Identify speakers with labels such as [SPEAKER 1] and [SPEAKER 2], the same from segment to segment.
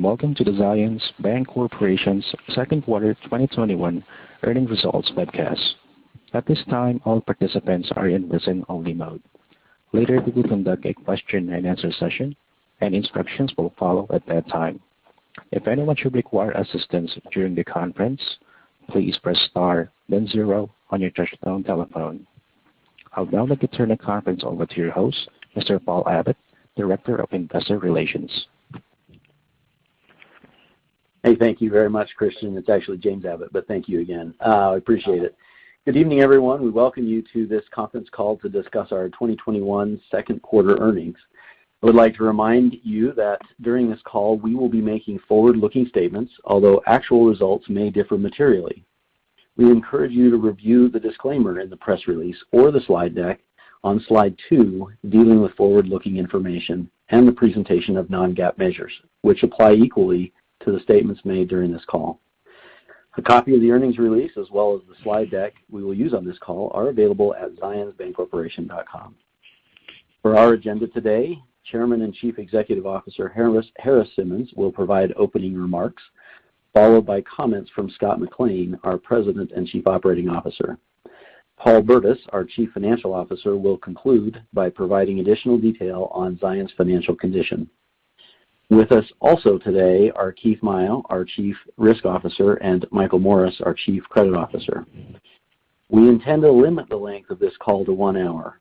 [SPEAKER 1] Gentlemen, welcome to the Zions Bancorporation's Second Quarter 2021 Earnings Results Webcast. I'd now like to turn the conference over to your host, Mr. James Abbott, Director of Investor Relations.
[SPEAKER 2] Hey, thank you very much, Christian. It's actually James Abbott. Thank you again. I appreciate it. Good evening, everyone. We welcome you to this conference call to discuss our 2021 second quarter earnings. I would like to remind you that during this call, we will be making forward-looking statements, although actual results may differ materially. We encourage you to review the disclaimer in the press release or the slide deck on slide two dealing with forward-looking information and the presentation of non-GAAP measures, which apply equally to the statements made during this call. A copy of the earnings release as well as the slide deck we will use on this call are available at zionsbancorporation.com. For our agenda today, Chairman and Chief Executive Officer, Harris Simmons, will provide opening remarks, followed by comments from Scott McLean, our President and Chief Operating Officer. Paul Burdiss, our Chief Financial Officer, will conclude by providing additional detail on Zions' financial condition. With us also today are Keith Maio, our Chief Risk Officer, and Michael Morris, our Chief Credit Officer. We intend to limit the length of this call to one hour.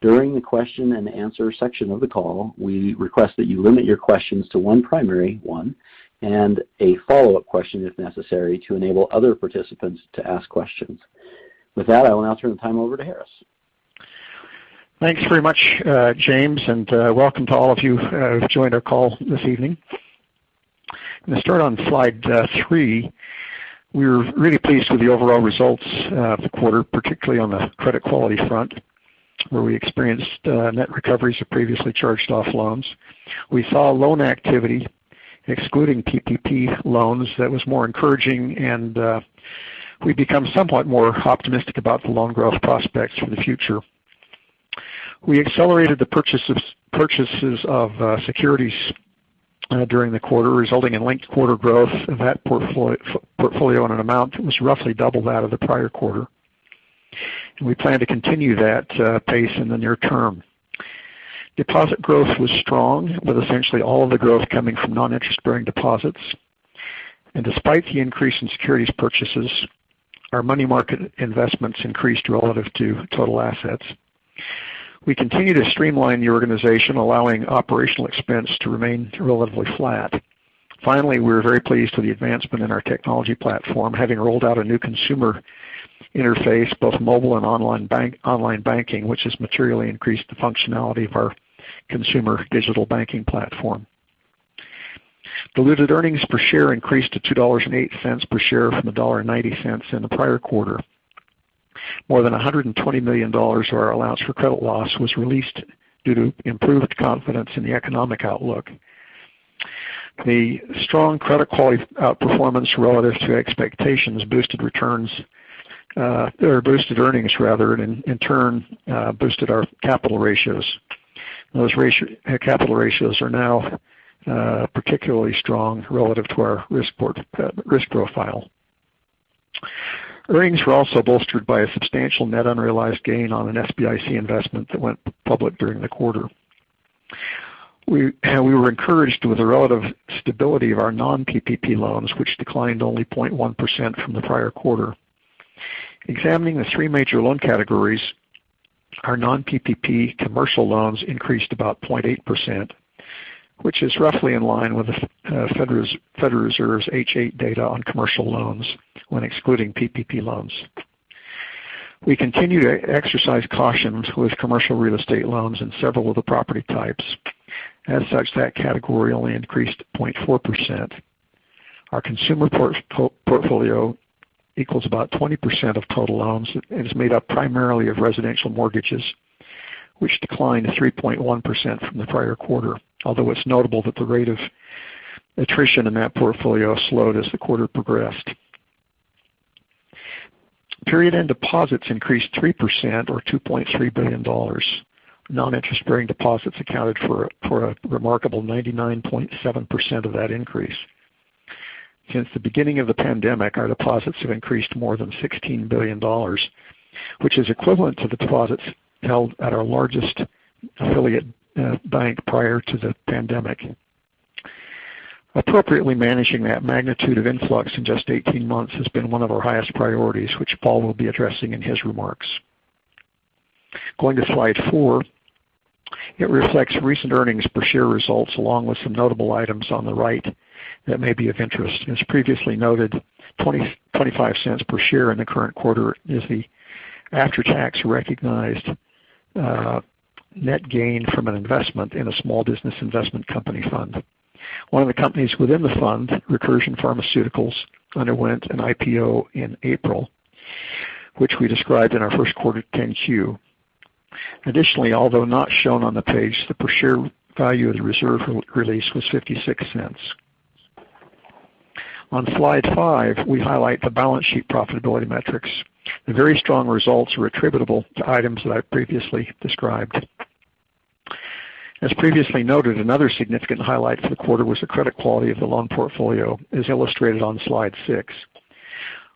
[SPEAKER 2] During the question and answer section of the call, we request that you limit your questions to one primary one and a follow-up question if necessary, to enable other participants to ask questions. With that, I will now turn the time over to Harris.
[SPEAKER 3] Thanks very much, James, and welcome to all of you who have joined our call this evening. I'm going to start on slide three. We're really pleased with the overall results of the quarter, particularly on the credit quality front, where we experienced net recoveries of previously charged-off loans. We saw loan activity excluding PPP loans that was more encouraging and we've become somewhat more optimistic about the loan growth prospects for the future. We accelerated the purchases of securities during the quarter, resulting in linked quarter growth of that portfolio in an amount that was roughly double that of the prior quarter. We plan to continue that pace in the near term. Deposit growth was strong, with essentially all of the growth coming from non-interest bearing deposits. Despite the increase in securities purchases, our money market investments increased relative to total assets. We continue to streamline the organization, allowing operational expense to remain relatively flat. Finally, we're very pleased with the advancement in our technology platform, having rolled out a new consumer interface, both mobile and online banking, which has materially increased the functionality of our consumer digital banking platform. Diluted earnings per share increased to $2.08 per share from $1.90 in the prior quarter. More than $120 million of our allowance for credit loss was released due to improved confidence in the economic outlook. The strong credit quality outperformance relative to expectations boosted earnings rather, and in turn, boosted our capital ratios. Those capital ratios are now particularly strong relative to our risk profile. Earnings were also bolstered by a substantial net unrealized gain on an SBIC investment that went public during the quarter. We were encouraged with the relative stability of our non-PPP loans, which declined only 0.1% from the prior quarter. Examining the three major loan categories, our non-PPP commercial loans increased about 0.8%, which is roughly in line with the Federal Reserve's H.8 data on commercial loans when excluding PPP loans. We continue to exercise cautions with commercial real estate loans in several of the property types. As such, that category only increased 0.4%. Our consumer portfolio equals about 20% of total loans and is made up primarily of residential mortgages, which declined to 3.1% from the prior quarter. Although it's notable that the rate of attrition in that portfolio slowed as the quarter progressed. Period-end deposits increased 3% or $2.3 billion. Non-interest bearing deposits accounted for a remarkable 99.7% of that increase. Since the beginning of the pandemic, our deposits have increased more than $16 billion, which is equivalent to the deposits held at our largest affiliate bank prior to the pandemic. Appropriately managing that magnitude of influx in just 18 months has been one of our highest priorities, which Paul will be addressing in his remarks. Going to slide four, it reflects recent earnings per share results along with some notable items on the right that may be of interest. As previously noted, $0.25 per share in the current quarter is the after-tax recognized net gain from an investment in a small business investment company fund. One of the companies within the fund, Recursion Pharmaceuticals, underwent an IPO in April, which we described in our first quarter 10-Q. Additionally, although not shown on the page, the per share value of the reserve release was $0.56. On slide five, we highlight the balance sheet profitability metrics. The very strong results are attributable to items that I previously described. As previously noted, another significant highlight for the quarter was the credit quality of the loan portfolio, as illustrated on slide six.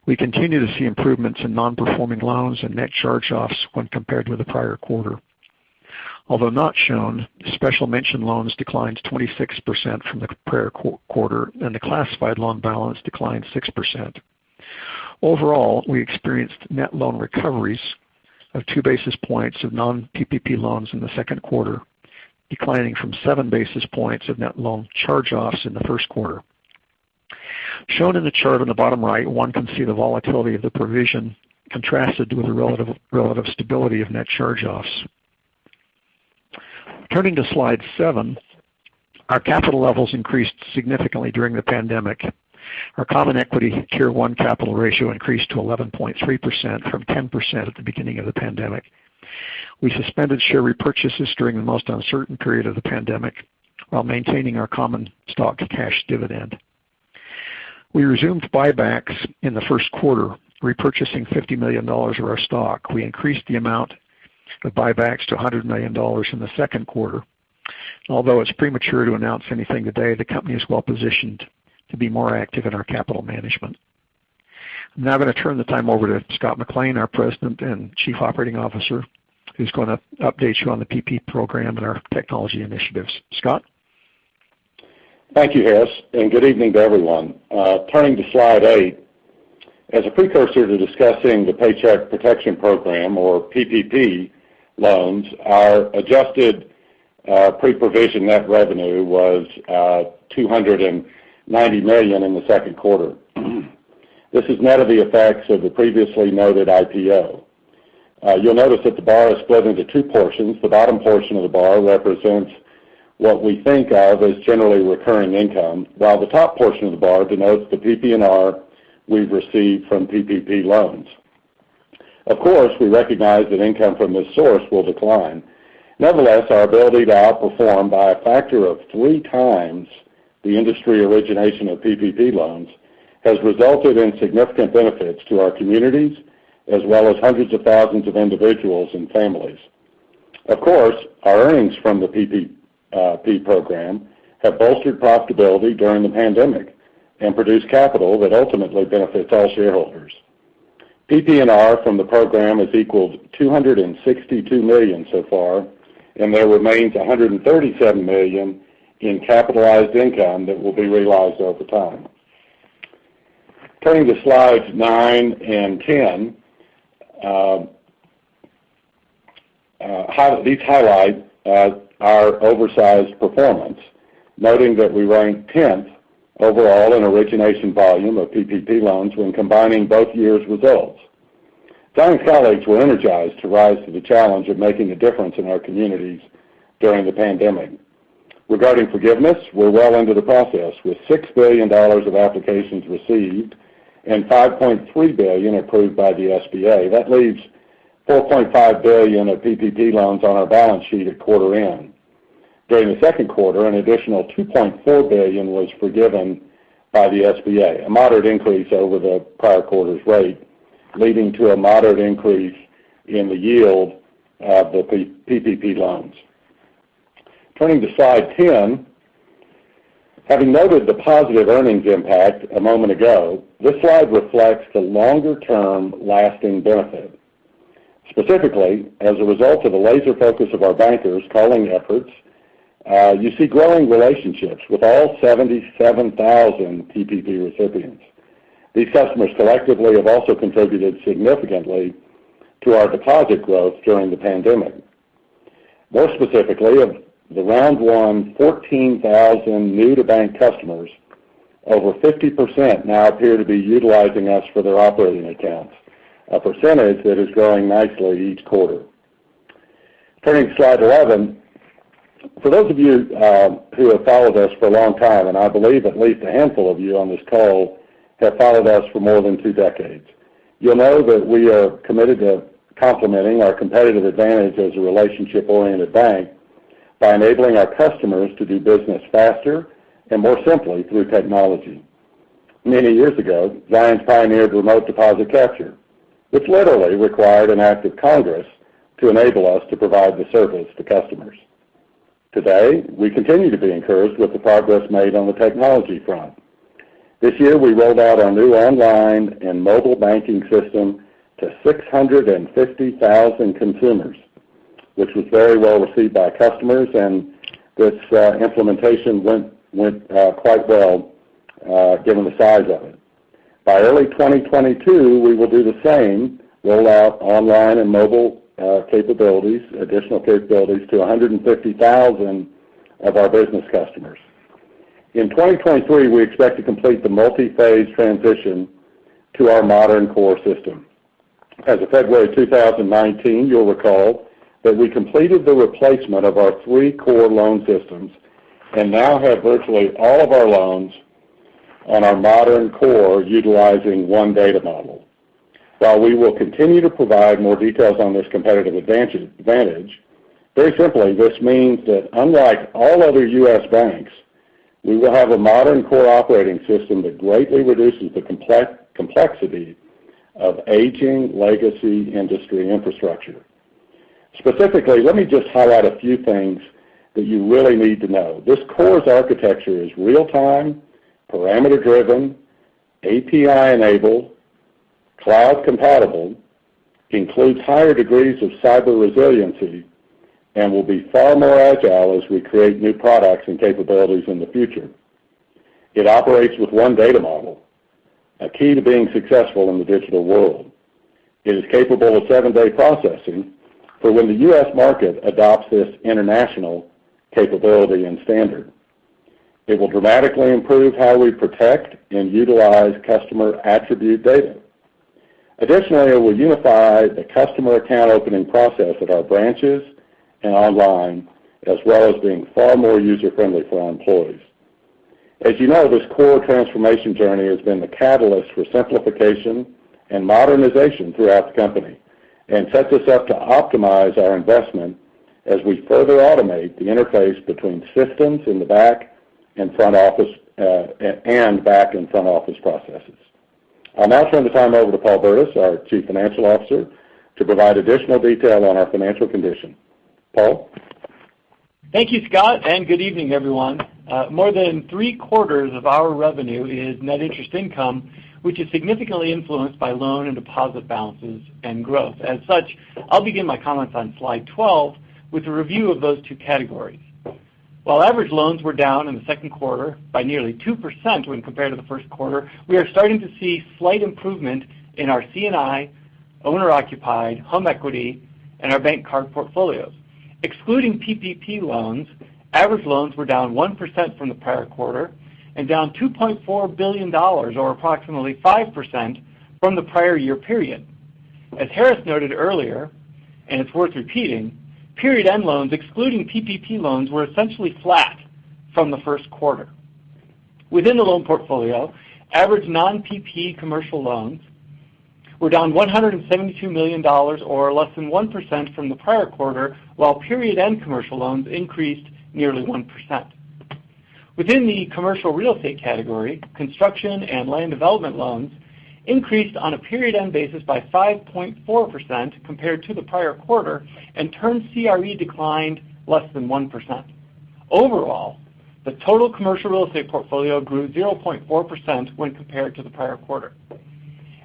[SPEAKER 3] We continue to see improvements in non-performing loans and net charge-offs when compared with the prior quarter. Although not shown, special mention loans declined 26% from the prior quarter, and the classified loan balance declined 6%. Overall, we experienced net loan recoveries of 2 basis points of non-PPP loans in the second quarter, declining from 7 basis points of net loan charge-offs in the first quarter. Shown in the chart in the bottom right, one can see the volatility of the provision contrasted with the relative stability of net charge-offs. Turning to slide seven, our capital levels increased significantly during the pandemic. Our common equity Tier 1 capital ratio increased to 11.3% from 10% at the beginning of the pandemic. We suspended share repurchases during the most uncertain period of the pandemic while maintaining our common stock cash dividend. We resumed buybacks in the first quarter, repurchasing $50 million of our stock. We increased the amount of buybacks to $100 million in the second quarter. Although it's premature to announce anything today, the company is well-positioned to be more active in our capital management. I'm now going to turn the time over to Scott McLean, our President and Chief Operating Officer, who's going to update you on the PPP program and our technology initiatives. Scott?
[SPEAKER 4] Thank you, Harris. Good evening to everyone. Turning to slide eight. As a precursor to discussing the Paycheck Protection Program or PPP loans, our adjusted pre-provision net revenue was $290 million in the second quarter. This is net of the effects of the previously noted IPO. You'll notice that the bar is split into two portions. The bottom portion of the bar represents what we think of as generally recurring income, while the top portion of the bar denotes the PPNR we've received from PPP loans. Of course, we recognize that income from this source will decline. Nevertheless, our ability to outperform by a factor of three times the industry origination of PPP loans has resulted in significant benefits to our communities, as well as hundreds of thousands of individuals and families. Of course, our earnings from the PPP program have bolstered profitability during the pandemic and produced capital that ultimately benefits all shareholders. PPNR from the program has equaled $262 million so far, and there remains $137 million in capitalized income that will be realized over time. Turning to slides nine and 10. These highlight our oversized performance, noting that we ranked 10th overall in origination volume of PPP loans when combining both years' results. Zions colleagues were energized to rise to the challenge of making a difference in our communities during the pandemic. Regarding forgiveness, we're well under the process, with $6 billion of applications received and $5.3 billion approved by the SBA. That leaves $4.5 billion of PPP loans on our balance sheet at quarter end. During the second quarter, an additional $2.4 billion was forgiven by the SBA, a moderate increase over the prior quarter's rate, leading to a moderate increase in the yield of the PPP loans. Turning to slide 10. Having noted the positive earnings impact a moment ago, this slide reflects the longer-term lasting benefit. Specifically, as a result of the laser focus of our bankers' calling efforts, you see growing relationships with all 77,000 PPP recipients. These customers collectively have also contributed significantly to our deposit growth during the pandemic. More specifically, of the round one, 14,000 new-to-bank customers, over 50% now appear to be utilizing us for their operating accounts, a percentage that is growing nicely each quarter. Turning to slide 11. For those of you who have followed us for a long time, and I believe at least a handful of you on this call have followed us for more than two decades, you'll know that we are committed to complementing our competitive advantage as a relationship-oriented bank by enabling our customers to do business faster and more simply through technology. Many years ago, Zions pioneered remote deposit capture, which literally required an act of Congress to enable us to provide the service to customers. Today, we continue to be encouraged with the progress made on the technology front. This year, we rolled out our new online and mobile banking system to 650,000 consumers, which was very well received by customers, and this implementation went quite well given the size of it. By early 2022, we will do the same, roll out online and mobile additional capabilities to 150,000 of our business customers. In 2023, we expect to complete the multi-phase transition to our modern core system. As of February 2019, you'll recall that we completed the replacement of our three core loan systems and now have virtually all of our loans on our modern core utilizing one data model. While we will continue to provide more details on this competitive advantage, very simply, this means that unlike all other U.S. banks, we will have a modern core operating system that greatly reduces the complexity of aging legacy industry infrastructure. Specifically, let me just highlight a few things that you really need to know. This core's architecture is real-time, parameter-driven, API-enabled, cloud-compatible, includes higher degrees of cyber resiliency, and will be far more agile as we create new products and capabilities in the future. It operates with one data model, a key to being successful in the digital world. It is capable of seven-day processing for when the U.S. market adopts this international capability and standard. It will dramatically improve how we protect and utilize customer attribute data. Additionally, it will unify the customer account opening process at our branches and online, as well as being far more user-friendly for our employees. As you know, this core transformation journey has been the catalyst for simplification and modernization throughout the company and sets us up to optimize our investment as we further automate the interface between systems in the back and front office, and back and front office processes. I'll now turn the time over to Paul Burdiss, our Chief Financial Officer, to provide additional detail on our financial condition. Paul?
[SPEAKER 5] Thank you, Scott, and good evening, everyone. More than three-quarters of our revenue is net interest income, which is significantly influenced by loan and deposit balances and growth. As such, I'll begin my comments on slide 12 with a review of those two categories. While average loans were down in the second quarter by nearly 2% when compared to the first quarter, we are starting to see slight improvement in our C&I, owner-occupied home equity, and our bank card portfolios. Excluding PPP loans, average loans were down 1% from the prior quarter and down $2.4 billion, or approximately 5%, from the prior year period. As Harris noted earlier, and it's worth repeating, period-end loans, excluding PPP loans, were essentially flat from the first quarter. Within the loan portfolio, average non-PPP commercial loans were down $172 million, or less than 1%, from the prior quarter, while period-end commercial loans increased nearly 1%. Within the commercial real estate category, construction and land development loans increased on a period-end basis by 5.4% compared to the prior quarter, and term CRE declined less than 1%. Overall, the total commercial real estate portfolio grew 0.4% when compared to the prior quarter.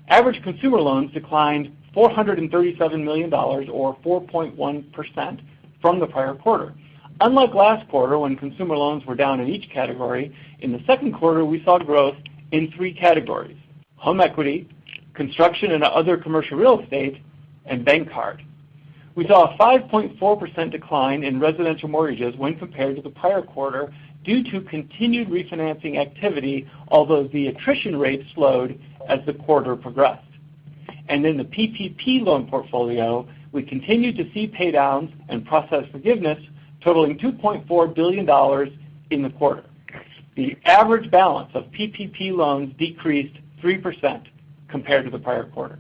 [SPEAKER 5] Average consumer loans declined $437 million, or 4.1%, from the prior quarter. Unlike last quarter, when consumer loans were down in each category, in the second quarter, we saw growth in three categories: home equity, construction and other commercial real estate, and bank card. We saw a 5.4% decline in residential mortgages when compared to the prior quarter due to continued refinancing activity, although the attrition rate slowed as the quarter progressed. In the PPP loan portfolio, we continued to see paydowns and process forgiveness totaling $2.4 billion in the quarter. The average balance of PPP loans decreased 3% compared to the prior quarter.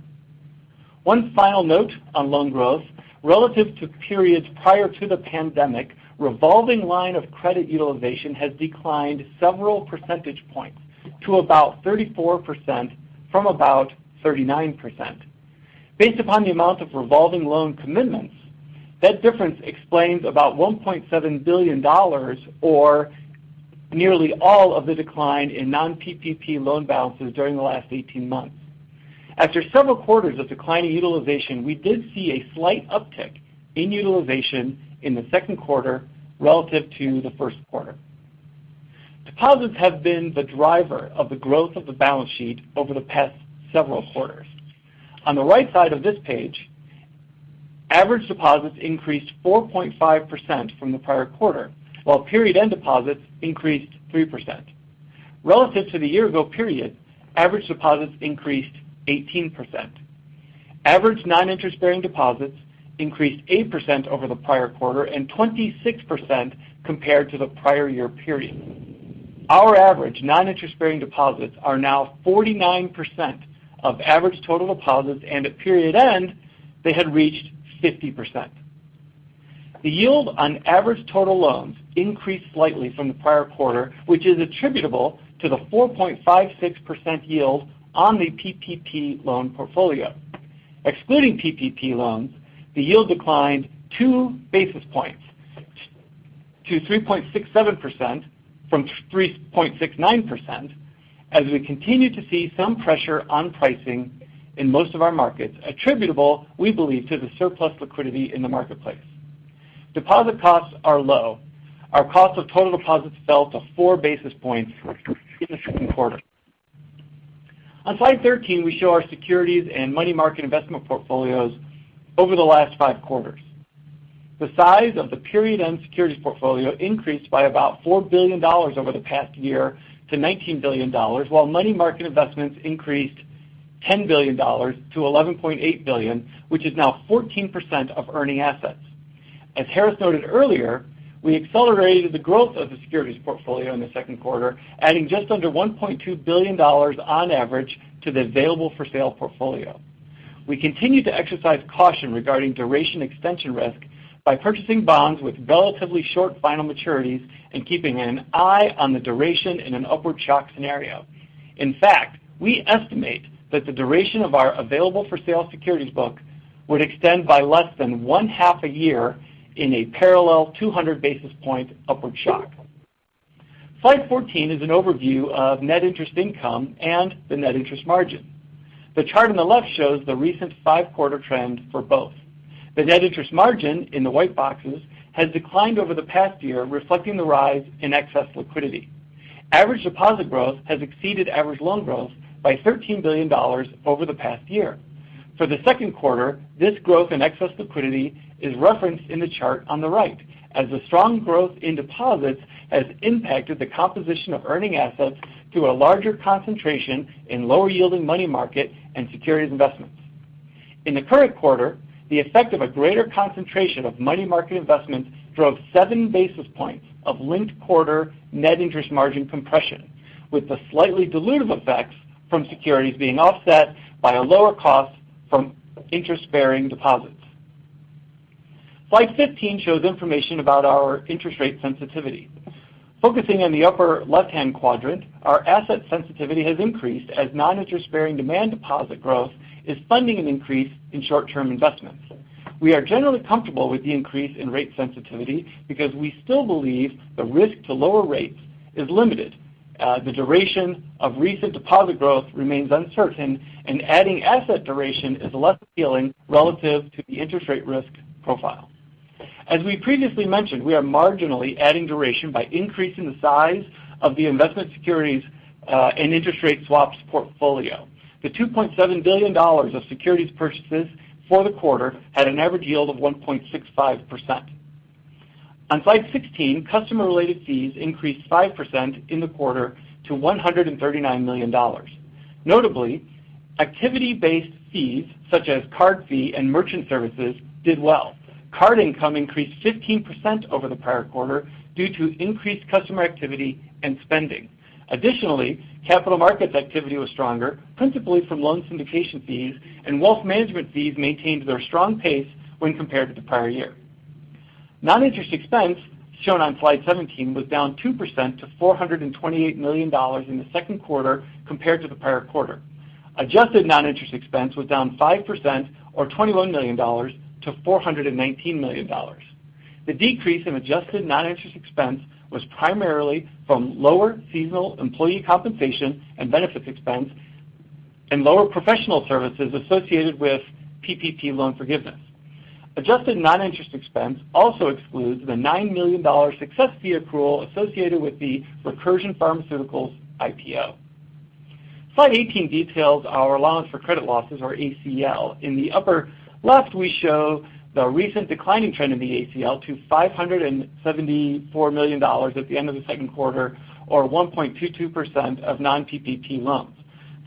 [SPEAKER 5] One final note on loan growth. Relative to periods prior to the pandemic, revolving line of credit utilization has declined several percentage points to about 34% from about 39%. Based upon the amount of revolving loan commitments, that difference explains about $1.7 billion, or nearly all of the decline in non-PPP loan balances during the last 18 months. After several quarters of declining utilization, we did see a slight uptick in utilization in the second quarter relative to the first quarter. Deposits have been the driver of the growth of the balance sheet over the past several quarters. On the right side of this page, average deposits increased 4.5% from the prior quarter, while period-end deposits increased 3%. Relative to the year ago period, average deposits increased 18%. Average non-interest-bearing deposits increased 8% over the prior quarter and 26% compared to the prior year period. Our average non-interest-bearing deposits are now 49% of average total deposits, and at period end, they had reached 50%. The yield on average total loans increased slightly from the prior quarter, which is attributable to the 4.56% yield on the PPP loan portfolio. Excluding PPP loans, the yield declined 2 basis points to 3.67% from 3.69% as we continue to see some pressure on pricing in most of our markets, attributable, we believe, to the surplus liquidity in the marketplace. Deposit costs are low. Our cost of total deposits fell to 4 basis points in the second quarter. On slide 13, we show our securities and money market investment portfolios over the last five quarters. The size of the period-end securities portfolio increased by about $4 billion over the past year to $19 billion, while money market investments increased $10 billion to $11.8 billion, which is now 14% of earning assets. As Harris noted earlier, we accelerated the growth of the securities portfolio in the second quarter, adding just under $1.2 billion on average to the available for sale portfolio. We continue to exercise caution regarding duration extension risk by purchasing bonds with relatively short final maturities and keeping an eye on the duration in an upward shock scenario. In fact, we estimate that the duration of our available for sale securities book would extend by less than one half a year in a parallel 200 basis point upward shock. Slide 14 is an overview of net interest income and the net interest margin. The chart on the left shows the recent five-quarter trend for both. The net interest margin, in the white boxes, has declined over the past year, reflecting the rise in excess liquidity. Average deposit growth has exceeded average loan growth by $13 billion over the past year. For the second quarter, this growth in excess liquidity is referenced in the chart on the right, as the strong growth in deposits has impacted the composition of earning assets through a larger concentration in lower yielding money market and securities investments. In the current quarter, the effect of a greater concentration of money market investments drove 7 basis points of linked quarter net interest margin compression, with the slightly dilutive effects from securities being offset by a lower cost from interest-bearing deposits. Slide 15 shows information about our interest rate sensitivity. Focusing on the upper left-hand quadrant, our asset sensitivity has increased as non-interest-bearing demand deposit growth is funding an increase in short-term investments. We are generally comfortable with the increase in rate sensitivity because we still believe the risk to lower rates is limited. The duration of recent deposit growth remains uncertain, and adding asset duration is less appealing relative to the interest rate risk profile. As we previously mentioned, we are marginally adding duration by increasing the size of the investment securities and interest rate swaps portfolio. The $2.7 billion of securities purchases for the quarter had an average yield of 1.65%. On slide 16, customer-related fees increased 5% in the quarter to $139 million. Notably, activity-based fees such as card fee and merchant services did well. Card income increased 15% over the prior quarter due to increased customer activity and spending. Additionally, capital markets activity was stronger, principally from loan syndication fees, and wealth management fees maintained their strong pace when compared to the prior year. Non-interest expense, shown on slide 17, was down 2% to $428 million in the second quarter compared to the prior quarter. Adjusted non-interest expense was down 5%, or $21 million, to $419 million. The decrease in adjusted non-interest expense was primarily from lower seasonal employee compensation and benefits expense and lower professional services associated with PPP loan forgiveness. Adjusted non-interest expense also excludes the $9 million success fee accrual associated with the Recursion Pharmaceuticals IPO. Slide 18 details our allowance for credit losses, or ACL. In the upper left, we show the recent declining trend of the ACL to $574 million at the end of the second quarter, or 1.22% of non-PPP loans.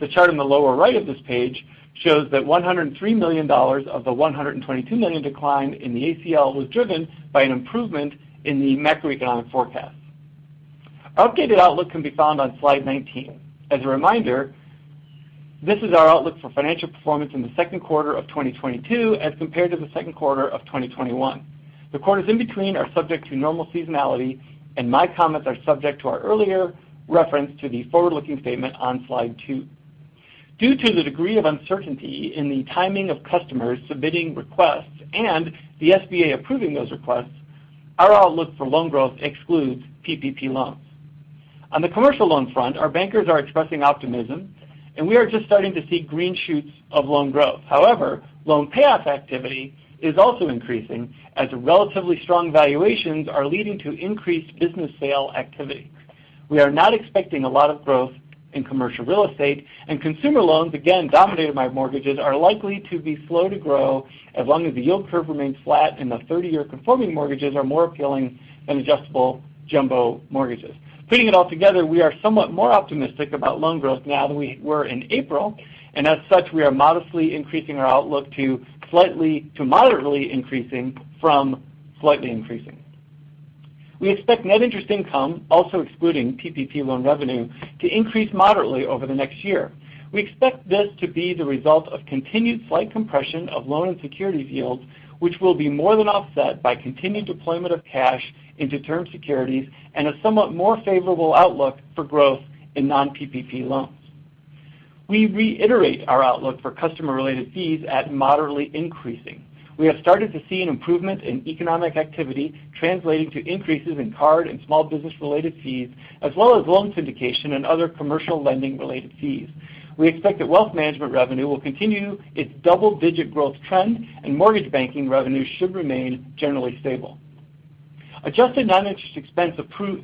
[SPEAKER 5] The chart in the lower right of this page shows that $103 million of the $122 million decline in the ACL was driven by an improvement in the macroeconomic forecast. Our updated outlook can be found on slide 19. As a reminder, this is our outlook for financial performance in the second quarter of 2022 as compared to the second quarter of 2021. The quarters in between are subject to normal seasonality, and my comments are subject to our earlier reference to the forward-looking statement on slide two. Due to the degree of uncertainty in the timing of customers submitting requests and the SBA approving those requests, our outlook for loan growth excludes PPP loans. On the commercial loan front, our bankers are expressing optimism, and we are just starting to see green shoots of loan growth. However, loan payoff activity is also increasing, as relatively strong valuations are leading to increased business sale activity. We are not expecting a lot of growth in commercial real estate, and consumer loans, again, dominated by mortgages, are likely to be slow to grow as long as the yield curve remains flat and the 30-year conforming mortgages are more appealing than adjustable jumbo mortgages. Putting it all together, we are somewhat more optimistic about loan growth now than we were in April, and as such, we are modestly increasing our outlook to moderately increasing from slightly increasing. We expect net interest income, also excluding PPP loan revenue, to increase moderately over the next year. We expect this to be the result of continued slight compression of loan and securities yields, which will be more than offset by continued deployment of cash into term securities and a somewhat more favorable outlook for growth in non-PPP loans. We reiterate our outlook for customer-related fees at moderately increasing. We have started to see an improvement in economic activity translating to increases in card and small business-related fees as well as loan syndication and other commercial lending-related fees. We expect that wealth management revenue will continue its double-digit growth trend and mortgage banking revenue should remain generally stable. Adjusted non-interest expense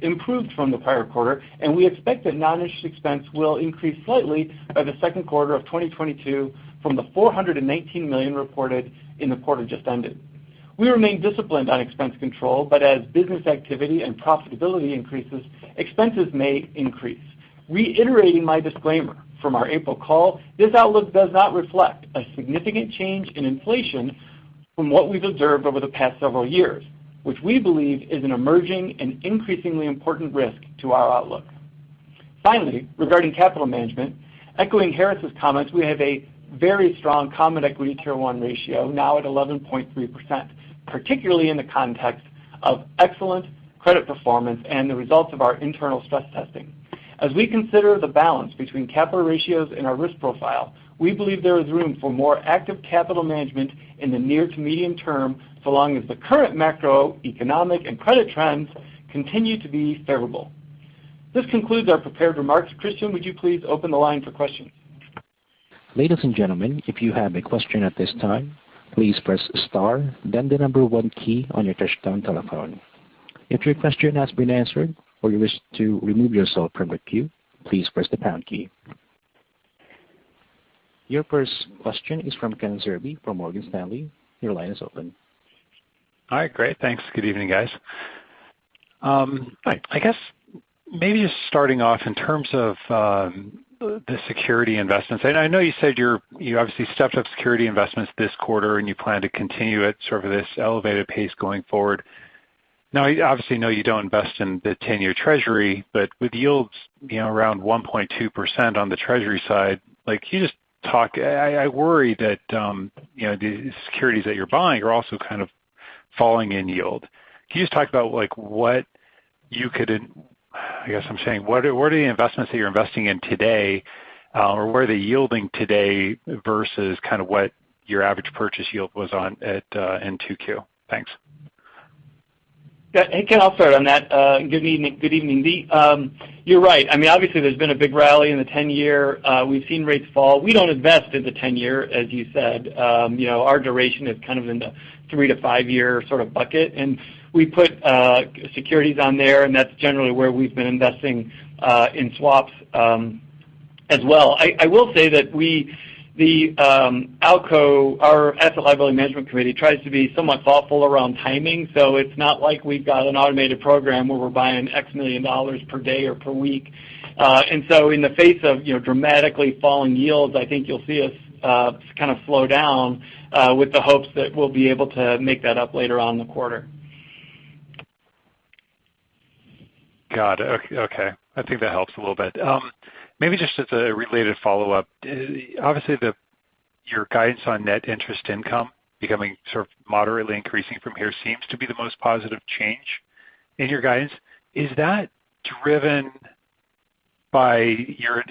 [SPEAKER 5] improved from the prior quarter, and we expect that non-interest expense will increase slightly by the second quarter of 2022 from the $419 million reported in the quarter just ended. We remain disciplined on expense control, but as business activity and profitability increases, expenses may increase. Reiterating my disclaimer from our April call, this outlook does not reflect a significant change in inflation from what we've observed over the past several years, which we believe is an emerging and increasingly important risk to our outlook. Finally, regarding capital management, echoing Harris' comments, we have a very strong common equity Tier 1 ratio, now at 11.3%, particularly in the context of excellent credit performance and the results of our internal stress testing. As we consider the balance between capital ratios and our risk profile, we believe there is room for more active capital management in the near to medium term, so long as the current macroeconomic and credit trends continue to be favorable. This concludes our prepared remarks. Christian, would you please open the line for questions?
[SPEAKER 1] Your first question is from Ken Zerbe from Morgan Stanley. Your line is open.
[SPEAKER 6] All right, great. Thanks. Good evening, guys. Starting off in terms of the security investments. I know you said you obviously stepped up security investments this quarter, and you plan to continue it sort of this elevated pace going forward. You don't invest in the 10-year Treasury, but with yields around 1.2% on the Treasury side, can you just talk I worry that the securities that you're buying are also kind of falling in yield. Can you just talk about what are the investments that you're investing in today, or where are they yielding today versus kind of what your average purchase yield was at in 2Q? Thanks.
[SPEAKER 5] Hey, Ken, I'll start on that. Good evening to you. You're right. I mean, obviously, there's been a big rally in the 10-year. We've seen rates fall. We don't invest in the 10-year, as you said. Our duration is kind of in the three to five-year sort of bucket. We put securities on there, and that's generally where we've been investing in swaps as well. I will say that we, the ALCO, our Asset Liability Management Committee, tries to be somewhat thoughtful around timing. It's not like we've got an automated program where we're buying X million dollars per day or per week. In the face of dramatically falling yields, I think you'll see us kind of slow down with the hopes that we'll be able to make that up later on in the quarter.
[SPEAKER 6] Got it. Okay. I think that helps a little bit. Maybe just as a related follow-up. Obviously, your guidance on net interest income becoming sort of moderately increasing from here seems to be the most positive change in your guidance. Is that driven by your,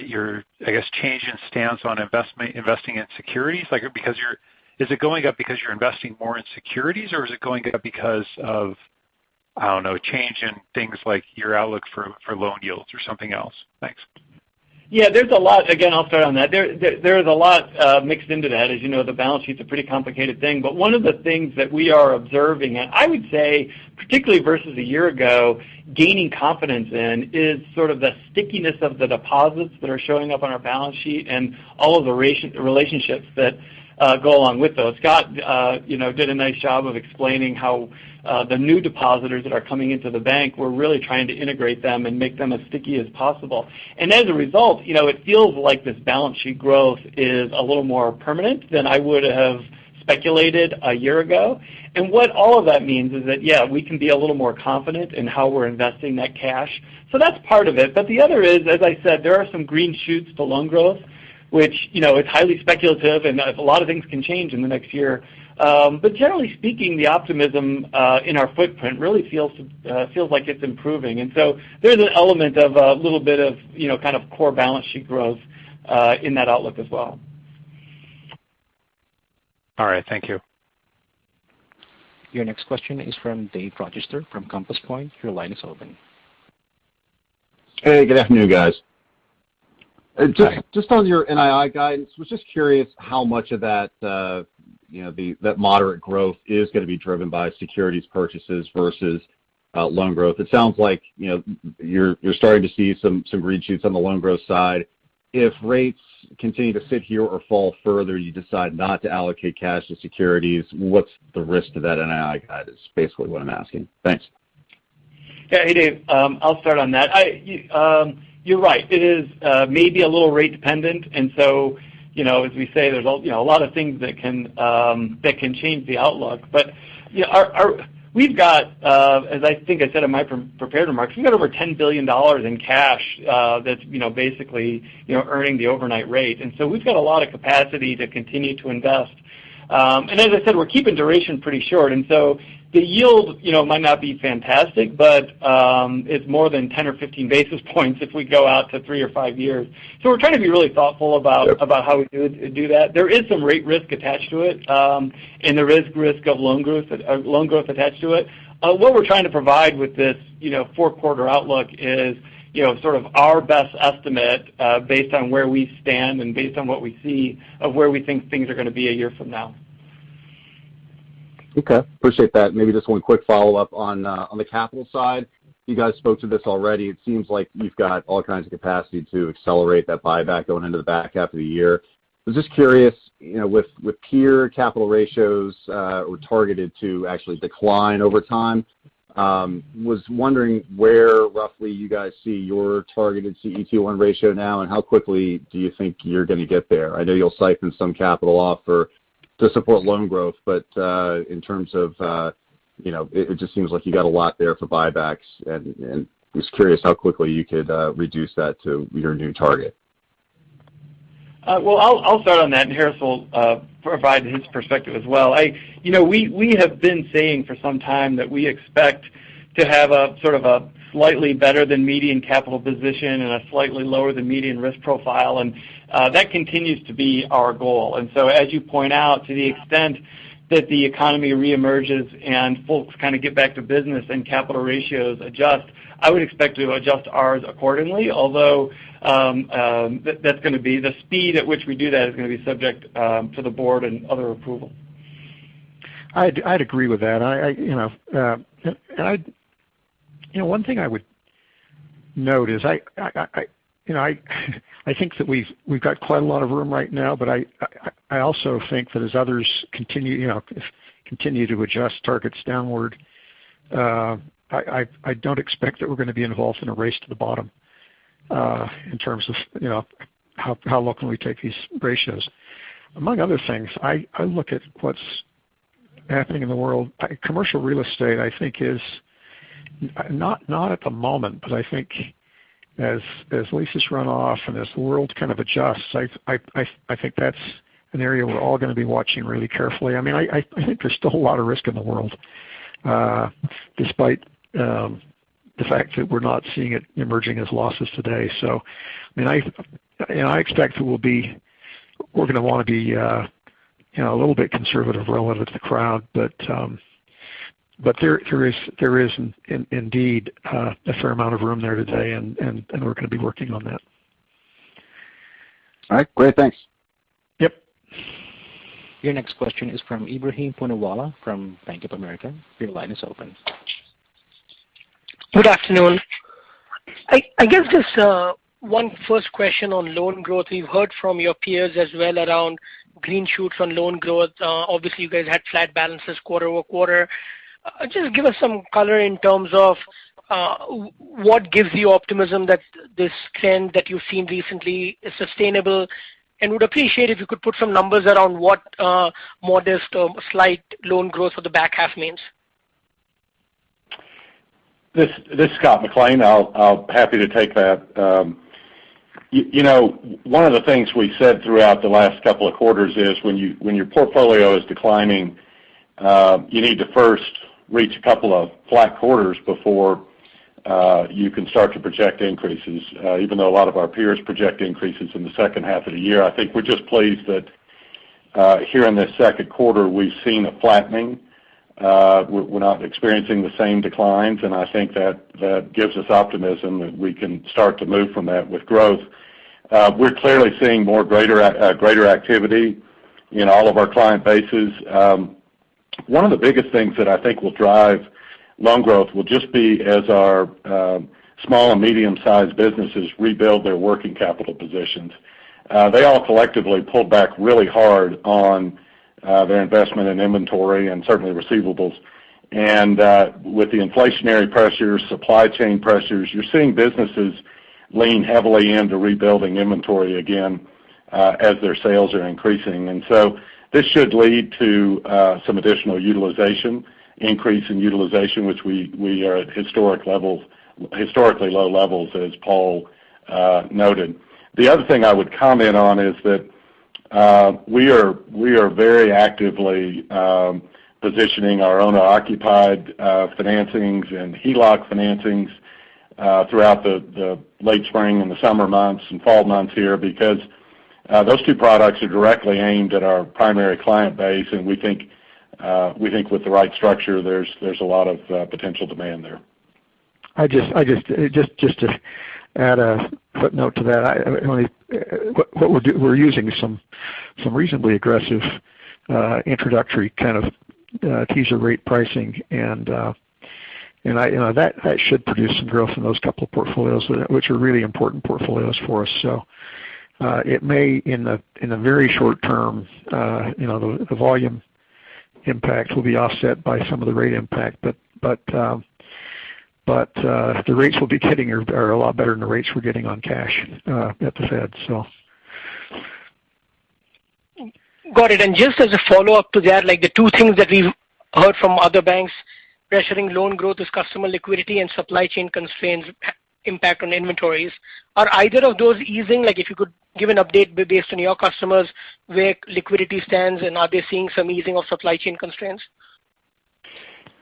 [SPEAKER 6] I guess, change in stance on investing in securities? Is it going up because you're investing more in securities, or is it going up because of, I don't know, change in things like your outlook for loan yields or something else? Thanks.
[SPEAKER 5] Yeah, there's a lot. Again, I'll start on that. There is a lot mixed into that. As you know, the balance sheet's a pretty complicated thing. One of the things that we are observing, and I would say particularly versus a year ago, gaining confidence in, is sort of the stickiness of the deposits that are showing up on our balance sheet and all of the relationships that go along with those. Scott did a nice job of explaining how the new depositors that are coming into the bank, we're really trying to integrate them and make them as sticky as possible. As a result, it feels like this balance sheet growth is a little more permanent than I would have speculated a year ago. What all of that means is that, yeah, we can be a little more confident in how we're investing that cash. That's part of it. The other is, as I said, there are some green shoots for loan growth, which is highly speculative, and a lot of things can change in the next year. Generally speaking, the optimism in our footprint really feels like it's improving. There's an element of a little bit of kind of core balance sheet growth in that outlook as well.
[SPEAKER 6] All right. Thank you.
[SPEAKER 1] Your next question is from Dave Rochester from Compass Point. Your line is open.
[SPEAKER 7] Hey, good afternoon, guys. Just on your NII guidance, was just curious how much of that moderate growth is going to be driven by securities purchases versus loan growth. It sounds like you're starting to see some green shoots on the loan growth side. If rates continue to sit here or fall further, you decide not to allocate cash to securities, what's the risk to that NII guidance? Basically what I'm asking? Thanks.
[SPEAKER 5] Yeah. Hey, Dave. I'll start on that. You're right. It is maybe a little rate dependent. As we say, there's a lot of things that can change the outlook. We've got, as I think I said in my prepared remarks, we've got over $10 billion in cash that's basically earning the overnight rate. We've got a lot of capacity to continue to invest. As I said, we're keeping duration pretty short and so the yield might not be fantastic, but it's more than 10 or 15 basis points if we go out to three or five years. We're trying to be really thoughtful about how we do that. There is some rate risk attached to it, and there is risk of loan growth attached to it. What we're trying to provide with this fourth quarter outlook is sort of our best estimate based on where we stand and based on what we see of where we think things are going to be a year from now.
[SPEAKER 7] Okay. Appreciate that. Maybe just one quick follow-up on the capital side. You guys spoke to this already. It seems like you've got all kinds of capacity to accelerate that buyback going into the back half of the year. I was just curious, with peer capital ratios were targeted to actually decline over time. Was wondering where roughly you guys see your targeted CET1 ratio now, and how quickly do you think you're going to get there? I know you'll siphon some capital off to support loan growth. It just seems like you got a lot there for buybacks, and was curious how quickly you could reduce that to your new target.
[SPEAKER 5] Well, I'll start on that, and Harris will provide his perspective as well. We have been saying for some time that we expect to have a sort of a slightly better than median capital position and a slightly lower than median risk profile, and that continues to be our goal. As you point out, to the extent that the economy re-emerges and folks kind of get back to business and capital ratios adjust, I would expect to adjust ours accordingly, although the speed at which we do that is going to be subject to the board and other approval.
[SPEAKER 3] I'd agree with that. One thing I would note is, I think that we've got quite a lot of room right now, but I also think that as others continue to adjust targets downward, I don't expect that we're going to be involved in a race to the bottom in terms of how low can we take these ratios. Among other things, I look at what's happening in the world. Commercial real estate, I think is, not at the moment, but I think as leases run off and as the world kind of adjusts, I think that's an area we're all going to be watching really carefully. I think there's still a lot of risk in the world, despite the fact that we're not seeing it emerging as losses today. I expect we're going to want to be a little bit conservative relative to the crowd, but there is indeed a fair amount of room there today, and we're going to be working on that.
[SPEAKER 7] All right, great. Thanks.
[SPEAKER 3] Yep.
[SPEAKER 1] Your next question is from Ebrahim Poonawala from Bank of America. Your line is open.
[SPEAKER 8] Good afternoon. I guess just one first question on loan growth. We've heard from your peers as well around green shoots on loan growth. Obviously, you guys had flat balances quarter-over-quarter. Just give us some color in terms of what gives you optimism that this trend that you've seen recently is sustainable. Would appreciate if you could put some numbers around what modest or slight loan growth for the back half means.
[SPEAKER 4] This is Scott McLean. I'll happy to take that. One of the things we said throughout the last couple of quarters is when your portfolio is declining, you need to first reach a couple of flat quarters before you can start to project increases. Even though a lot of our peers project increases in the second half of the year, I think we're just pleased that here in this second quarter we've seen a flattening. We're not experiencing the same declines, and I think that gives us optimism that we can start to move from that with growth. We're clearly seeing more greater activity in all of our client bases. One of the biggest things that I think will drive loan growth will just be as our small and medium-sized businesses rebuild their working capital positions. They all collectively pulled back really hard on their investment in inventory and certainly receivables. With the inflationary pressures, supply chain pressures, you're seeing businesses lean heavily into rebuilding inventory again as their sales are increasing. This should lead to some additional utilization, increase in utilization, which we are at historically low levels, as Paul noted. The other thing I would comment on is that we are very actively positioning our owner-occupied financings and HELOC financings throughout the late spring and the summer months and fall months here because those two products are directly aimed at our primary client base, and we think with the right structure, there's a lot of potential demand there.
[SPEAKER 3] Just to add a footnote to that. We're using some reasonably aggressive introductory kind of teaser rate pricing, and that should produce some growth in those couple of portfolios, which are really important portfolios for us. So it may, in the very short term, the volume impact will be offset by some of the rate impact, but the rates we'll be getting are a lot better than the rates we're getting on cash at the Fed.
[SPEAKER 8] Got it. Just as a follow-up to that, the two things that we've heard from other banks pressuring loan growth is customer liquidity and supply chain constraints impact on inventories. Are either of those easing? If you could give an update based on your customers where liquidity stands, and are they seeing some easing of supply chain constraints?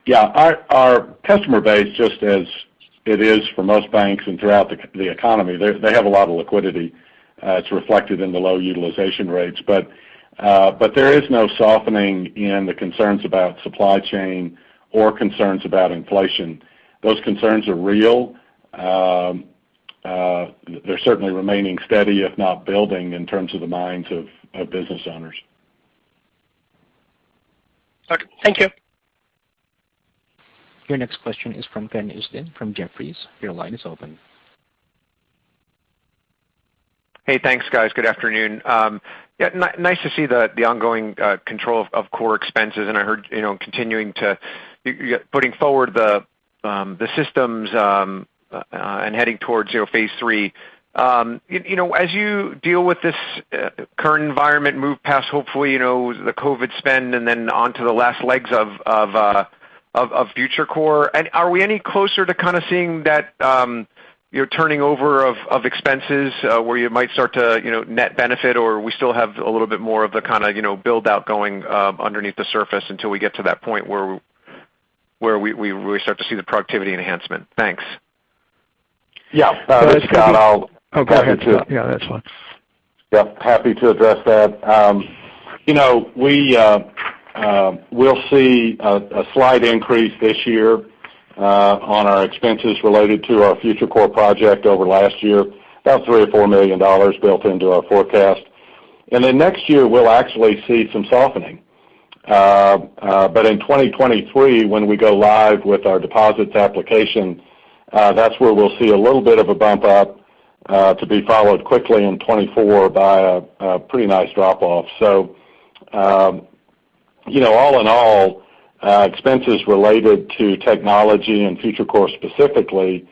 [SPEAKER 4] Yeah. Our customer base, just as it is for most banks and throughout the economy, they have a lot of liquidity. It's reflected in the low utilization rates. There is no softening in the concerns about supply chain or concerns about inflation. Those concerns are real. They're certainly remaining steady if not building in terms of the minds of business owners.
[SPEAKER 8] Okay. Thank you.
[SPEAKER 1] Your next question is from Ken Usdin from Jefferies. Your line is open.
[SPEAKER 9] Hey, thanks guys. Good afternoon. Yeah, nice to see the ongoing control of core expenses. I heard continuing to putting forward the systems and heading towards phase three. As you deal with this current environment, move past, hopefully, the COVID spend and then onto the last legs of FutureCore. Are we any closer to kind of seeing that turning over of expenses where you might start to net benefit? We still have a little bit more of the kind of build-out going underneath the surface until we get to that point where we start to see the productivity enhancement? Thanks.
[SPEAKER 3] Yeah.
[SPEAKER 4] This is Scott.
[SPEAKER 3] Oh, go ahead, Scott. Yeah, that's fine.
[SPEAKER 4] Yep, happy to address that. We'll see a slight increase this year on our expenses related to our FutureCore project over last year, about $3 million or $4 million built into our forecast. Next year, we'll actually see some softening. In 2023, when we go live with our deposits application, that's where we'll see a little bit of a bump up, to be followed quickly in 2024 by a pretty nice drop-off. All in all, expenses related to technology and FutureCore specifically,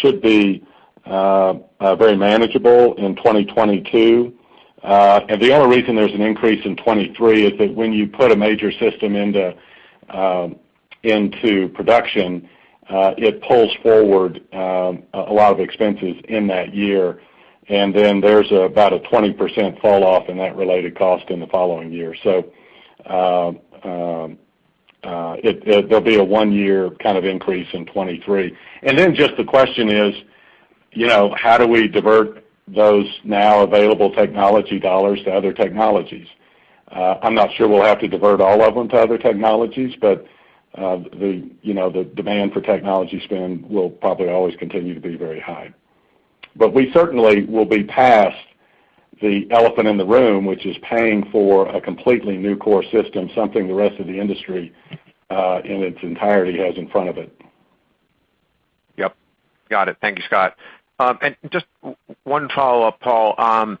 [SPEAKER 4] should be very manageable in 2022. The only reason there's an increase in 2023 is that when you put a major system into production, it pulls forward a lot of expenses in that year. There's about a 20% fall off in that related cost in the following year. There'll be a one-year kind of increase in 2023. Just the question is: how do we divert those now available technology dollars to other technologies? I'm not sure we'll have to divert all of them to other technologies, but the demand for technology spend will probably always continue to be very high. We certainly will be past the elephant in the room, which is paying for a completely new core system, something the rest of the industry, in its entirety, has in front of it.
[SPEAKER 9] Yep. Got it. Thank you, Scott. Just one follow-up, Paul.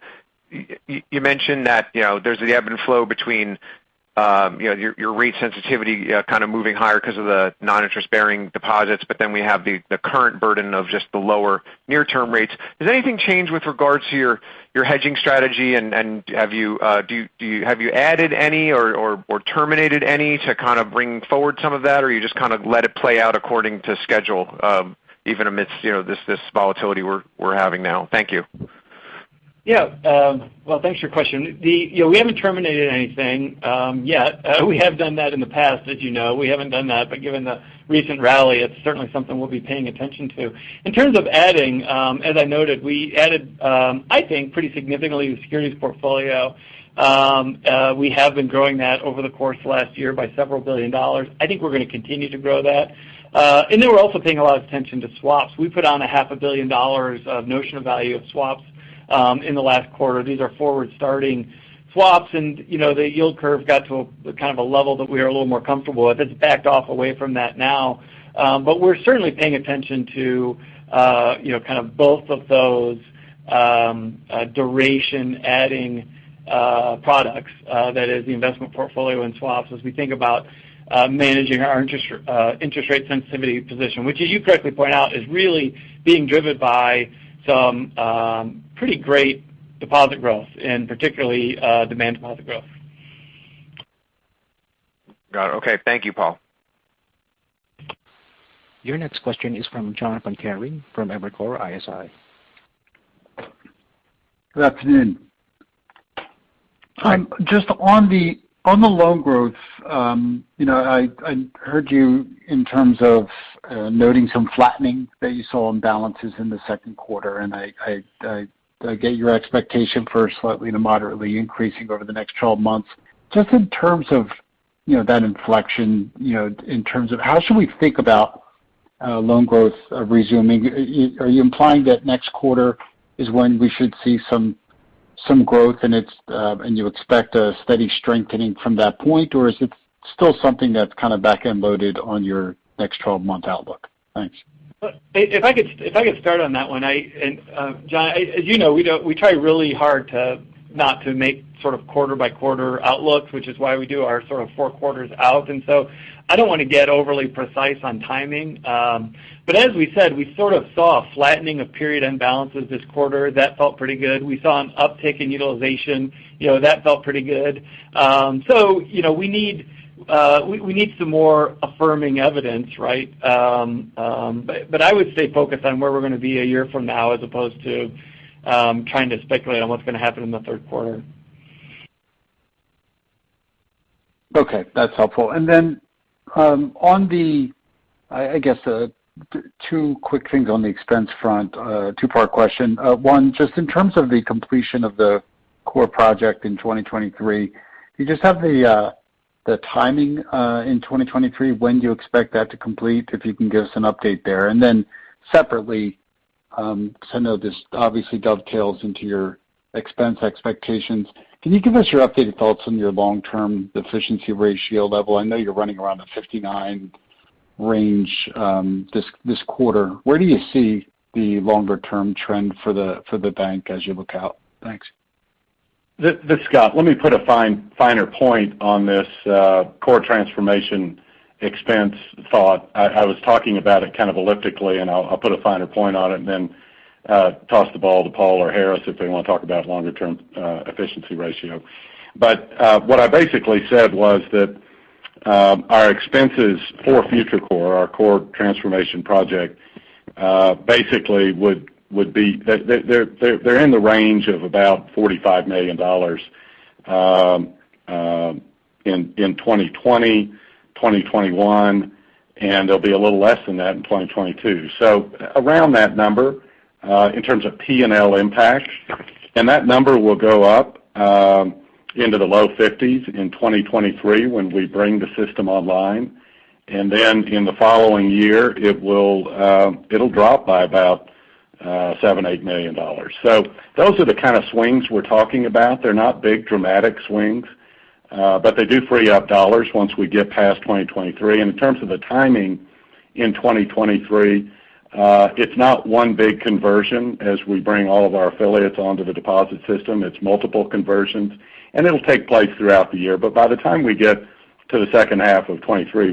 [SPEAKER 9] You mentioned that there's the ebb and flow between your rate sensitivity kind of moving higher because of the non-interest-bearing deposits, we have the current burden of just the lower near-term rates. Has anything changed with regards to your hedging strategy, have you added any or terminated any to kind of bring forward some of that? You just kind of let it play out according to schedule, even amidst this volatility we're having now? Thank you.
[SPEAKER 5] Yeah. Well, thanks for your question. We haven't terminated anything yet. We have done that in the past, as you know. Given the recent rally, it's certainly something we'll be paying attention to. In terms of adding, as I noted, we added, I think, pretty significantly to the securities portfolio. We have been growing that over the course of last year by several billion dollars. I think we're going to continue to grow that. We're also paying a lot of attention to swaps. We put on a half a billion dollars of notional value of swaps in the last quarter. These are forward-starting swaps, and the yield curve got to kind of a level that we are a little more comfortable with. It's backed off away from that now. We're certainly paying attention to kind of both of those duration-adding products, that is the investment portfolio and swaps, as we think about managing our interest rate sensitivity position, which, as you correctly point out, is really being driven by some pretty great deposit growth and particularly, demand deposit growth.
[SPEAKER 9] Got it. Okay. Thank you, Paul.
[SPEAKER 1] Your next question is from John Pancari from Evercore ISI.
[SPEAKER 10] Good afternoon. Just on the loan growth, I heard you in terms of noting some flattening that you saw on balances in the second quarter, and I get your expectation for slightly to moderately increasing over the next 12 months. Just in terms of that inflection, in terms of how should we think about loan growth resuming? Are you implying that next quarter is when we should see some growth, and you expect a steady strengthening from that point? Is it still something that's kind of back-end loaded on your next 12-month outlook? Thanks.
[SPEAKER 5] If I could start on that one. John, as you know, we try really hard to not to make sort of quarter-by-quarter outlooks, which is why we do our sort of fourth quarters out. I don't want to get overly precise on timing. As we said, we sort of saw a flattening of period end balances this quarter. That felt pretty good. We saw an uptick in utilization. That felt pretty good. We need some more affirming evidence, right? I would stay focused on where we're going to be a year from now as opposed to trying to speculate on what's going to happen in the third quarter.
[SPEAKER 10] Okay. That's helpful. I guess two quick things on the expense front. A two-part question. One, just in terms of the completion of the core project in 2023, do you just have the timing in 2023? When do you expect that to complete? If you can give us an update there. Separately, because I know this obviously dovetails into your expense expectations, can you give us your updated thoughts on your long-term efficiency ratio level? I know you're running around a 59-range this quarter. Where do you see the longer-term trend for the bank as you look out? Thanks.
[SPEAKER 4] This is Scott. Let me put a finer point on this core transformation expense thought. I was talking about it kind of elliptically, and I'll put a finer point on it and then toss the ball to Paul or Harris if they want to talk about longer-term efficiency ratio. What I basically said was that our expenses for FutureCore, our core transformation project, basically they're in the range of about $45 million in 2020, 2021, and they'll be a little less than that in 2022. Around that number in terms of P&L impact. That number will go up into the low $50s in 2023 when we bring the system online. In the following year, it'll drop by about $78 million. Those are the kind of swings we're talking about. They're not big dramatic swings. They do free up dollars once we get past 2023. In terms of the timing in 2023, it's not one big conversion as we bring all of our affiliates onto the deposit system. It's multiple conversions. It'll take place throughout the year. By the time we get to the second half of 2023,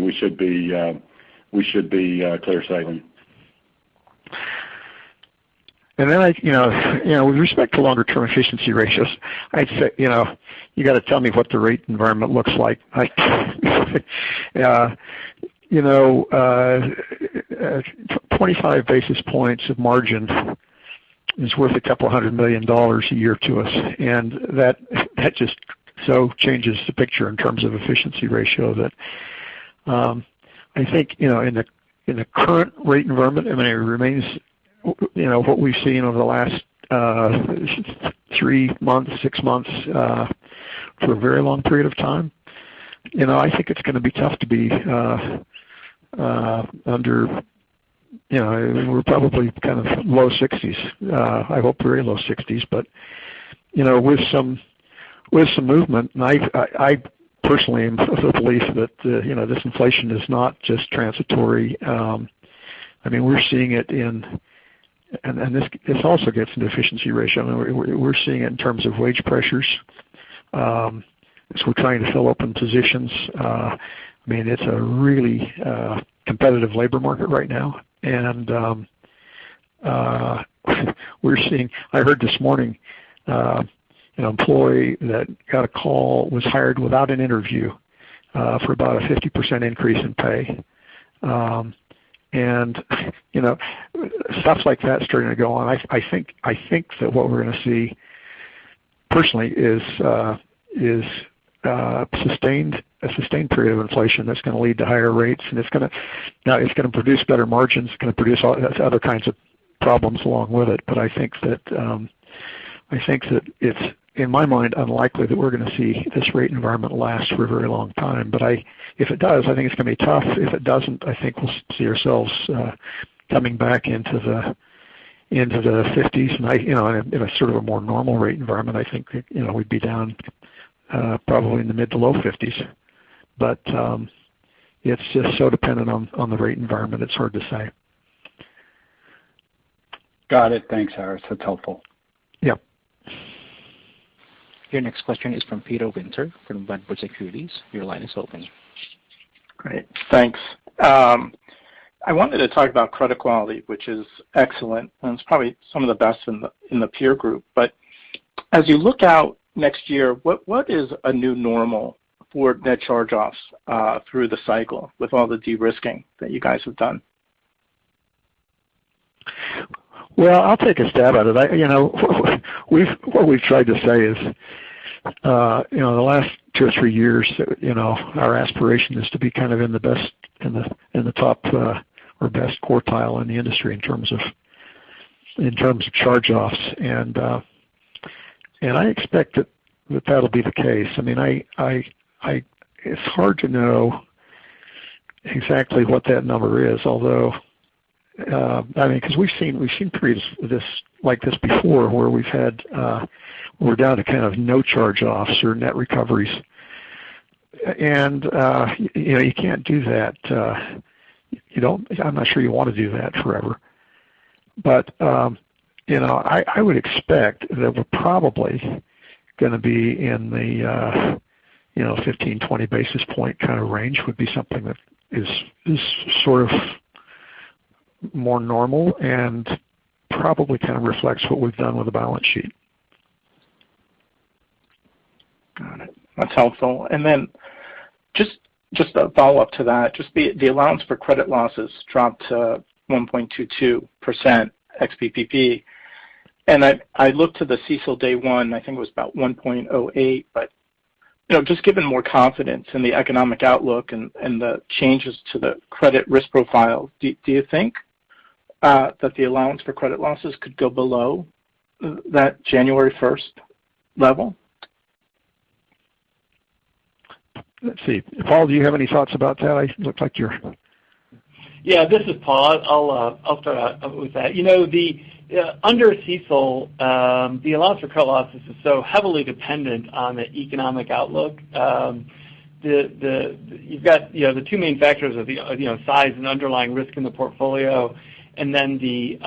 [SPEAKER 4] we should be clear sailing.
[SPEAKER 3] With respect to longer-term efficiency ratios, you got to tell me what the rate environment looks like. 25 basis points of margin is worth $200 million a year to us, and that just so changes the picture in terms of efficiency ratio that I think, in the current rate environment, it remains what we've seen over the last three months, six months, for a very long period of time. I think it's going to be tough to be. We're probably kind of low 60s. I hope we're in low 60s, but with some movement, and I personally am of the belief that this inflation is not just transitory. We're seeing it. And this also gets into efficiency ratio. We're seeing it in terms of wage pressures, as we're trying to fill open positions. It's a really competitive labor market right now. I heard this morning, an employee that got a call was hired without an interview for about a 50% increase in pay. Stuff like that's starting to go on. I think that what we're going to see, personally, is a sustained period of inflation that's going to lead to higher rates. It's going to produce better margins, it's going to produce all other kinds of problems along with it. I think that it's, in my mind, unlikely that we're going to see this rate environment last for a very long time. If it does, I think it's going to be tough. If it doesn't, I think we'll see ourselves coming back into the 50s. In a sort of a more normal rate environment, I think we'd be down probably in the mid to low 50s. It's just so dependent on the rate environment, it's hard to say.
[SPEAKER 10] Got it. Thanks, Harris. That's helpful.
[SPEAKER 3] Yep.
[SPEAKER 1] Your next question is from Peter Winter from Wedbush Securities. Your line is open.
[SPEAKER 11] Great. Thanks. I wanted to talk about credit quality, which is excellent, and it's probably some of the best in the peer group. As you look out next year, what is a new normal for net charge-offs through the cycle with all the de-risking that you guys have done?
[SPEAKER 3] Well, I'll take a stab at it. What we've tried to say is in the last two or three years, our aspiration is to be kind of in the top or best quartile in the industry in terms of charge-offs. I expect that that'll be the case. It's hard to know exactly what that number is, because we've seen periods like this before where we're down to kind of no charge-offs or net recoveries. You can't do that. I'm not sure you want to do that forever. I would expect that we're probably going to be in the 15, 20 basis point kind of range would be something that is sort of more normal and probably kind of reflects what we've done with the balance sheet.
[SPEAKER 11] Got it. That's helpful. Just a follow-up to that, just the allowance for credit losses dropped to 1.22% ex PPP. I looked to the CECL day one, I think it was about 1.08%. Just given more confidence in the economic outlook and the changes to the credit risk profile, do you think that the allowance for credit losses could go below that January 1st level?
[SPEAKER 3] Let's see. Paul, do you have any thoughts about that? It looks like you're.
[SPEAKER 5] This is Paul. I'll start out with that. Under CECL, the allowance for credit losses is so heavily dependent on the economic outlook. You've got the two main factors of size and underlying risk in the portfolio, and then the